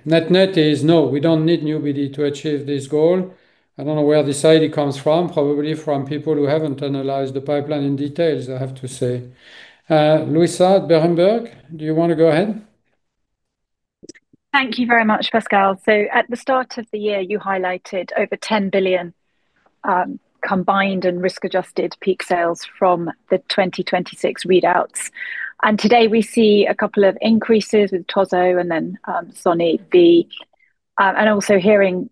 Net-net is no, we don't need new BD to achieve this goal. I don't know where this idea comes from, probably from people who haven't analyzed the pipeline in details, I have to say. Luisa, Berenberg, do you want to go ahead? Thank you very much, Pascal. At the start of the year, you highlighted over $10 billion combined and risk-adjusted peak sales from the 2026 readouts. Today we see a couple of increases with Tozo and then Sone-Ve. Also hearing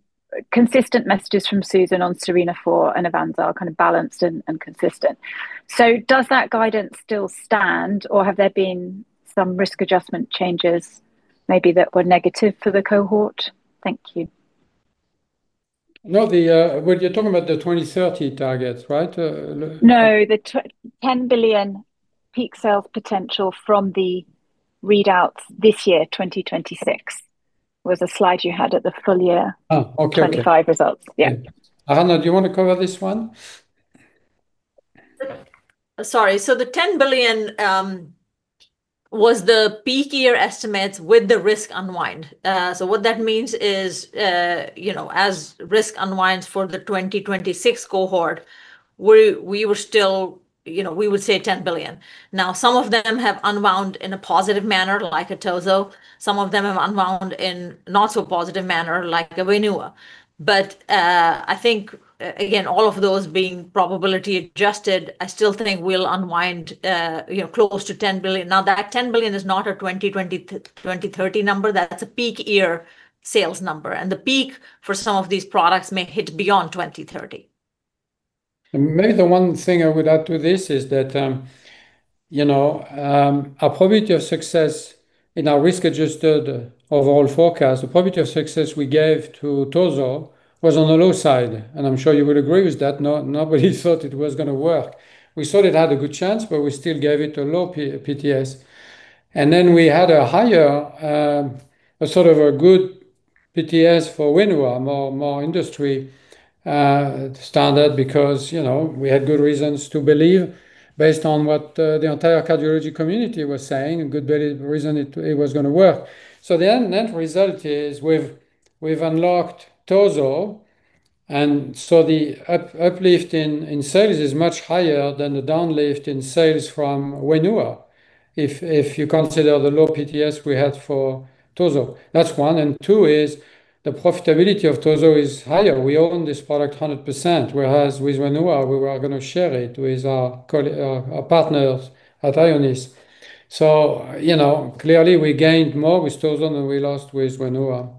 consistent messages from Susan on SERENA-4 and AVANZAR are kind of balanced and consistent. Does that guidance still stand, or have there been some risk adjustment changes maybe that were negative for the cohort? Thank you. No. You're talking about the 2030 targets, right? No, the $10 billion peak sales potential from the readouts this year, 2026, was a slide you had at the full year 2025 results. Aradhana, do you want to cover this one? Sorry. The $10 billion was the peak year estimates with the risk unwind. What that means is, as risk unwinds for the 2026 cohort, we would say $10 billion. Some of them have unwound in a positive manner, like Tozo. Some of them have unwound in not so positive manner like Wainua. I think, again, all of those being probability adjusted, I still think we'll unwind close to $10 billion. That $10 billion is not a 2030 number. That's a peak year sales number, and the peak for some of these products may hit beyond 2030. Maybe the one thing I would add to this is that our probability of success in our risk-adjusted overall forecast, the probability of success we gave to Tozo was on the low side, and I'm sure you would agree with that. Nobody thought it was going to work. We thought it had a good chance, we still gave it a low PTS. We had a higher, a sort of a good PTS for Wainua, more industry standard, because we had good reasons to believe based on what the entire cardiology community was saying, a good reason it was going to work. The end result is we've unlocked Tozo, the uplift in sales is much higher than the down lift in sales from Wainua, if you consider the low PTS we had for Tozo. That's one. Two is the profitability of Tozo is higher. We own this product 100%, whereas with Wainua, we were going to share it with our partners at Ionis. Clearly we gained more with Tozo than we lost with Wainua.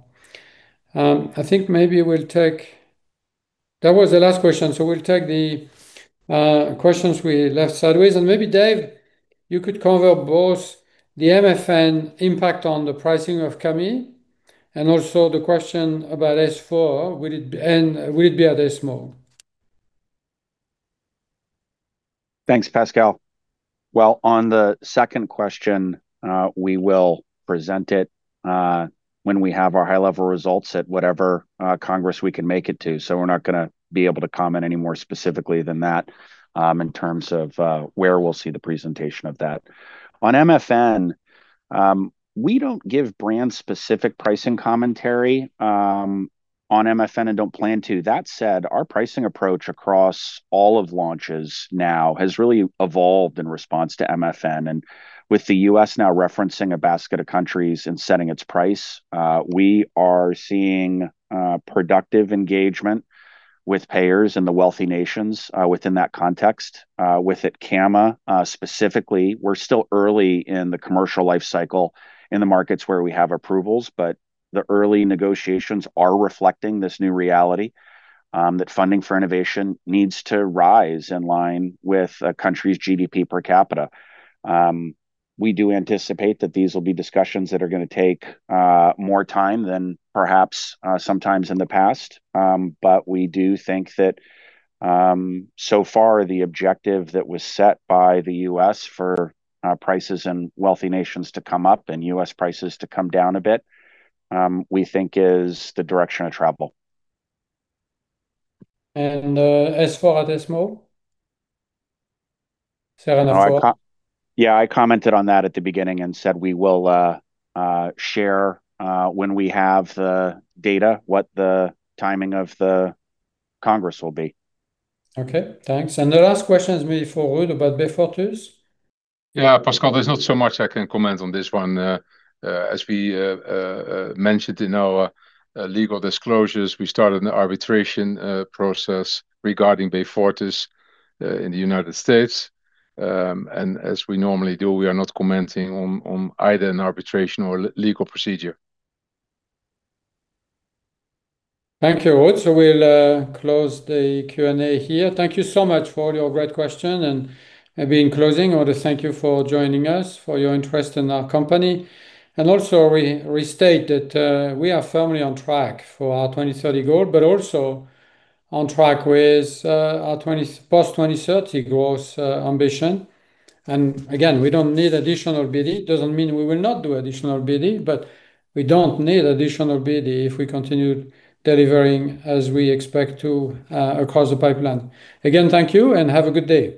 That was the last question. We'll take the questions we left sideways. Maybe, Dave, you could cover both the MFN impact on the pricing of Cami and also the question about S4, and will it be at ESMO? Thanks, Pascal. On the second question, we will present it when we have our high-level results at whatever congress we can make it to. We're not going to be able to comment any more specifically than that in terms of where we'll see the presentation of that. On MFN, we don't give brand-specific pricing commentary on MFN and don't plan to. That said, our pricing approach across all of launches now has really evolved in response to MFN. With the U.S. now referencing a basket of countries and setting its price, we are seeing productive engagement with payers in the wealthy nations within that context. With Etcamah specifically, we're still early in the commercial life cycle in the markets where we have approvals, but the early negotiations are reflecting this new reality, that funding for innovation needs to rise in line with a country's GDP per capita. We do anticipate that these will be discussions that are going to take more time than perhaps sometimes in the past. We do think that so far, the objective that was set by the U.S. for prices in wealthy nations to come up and U.S. prices to come down a bit, we think is the direction of travel. S4 at ESMO? SERENA-4. Yeah, I commented on that at the beginning and said we will share when we have the data what the timing of the congress will be. Okay, thanks. The last question is maybe for Ruud about Beyfortus. Yeah, Pascal, there's not so much I can comment on this one. As we mentioned in our legal disclosures, we started an arbitration process regarding Beyfortus in the United States. As we normally do, we are not commenting on either an arbitration or legal procedure. Thank you, Ruud. We'll close the Q&A here. Thank you so much for all your great questions, and in closing, I want to thank you for joining us, for your interest in our company. Also, restate that we are firmly on track for our 2030 goal, but also on track with our post-2030 growth ambition. Again, we don't need additional BD. It doesn't mean we will not do additional BD, but we don't need additional BD if we continue delivering as we expect to across the pipeline. Again, thank you and have a good day.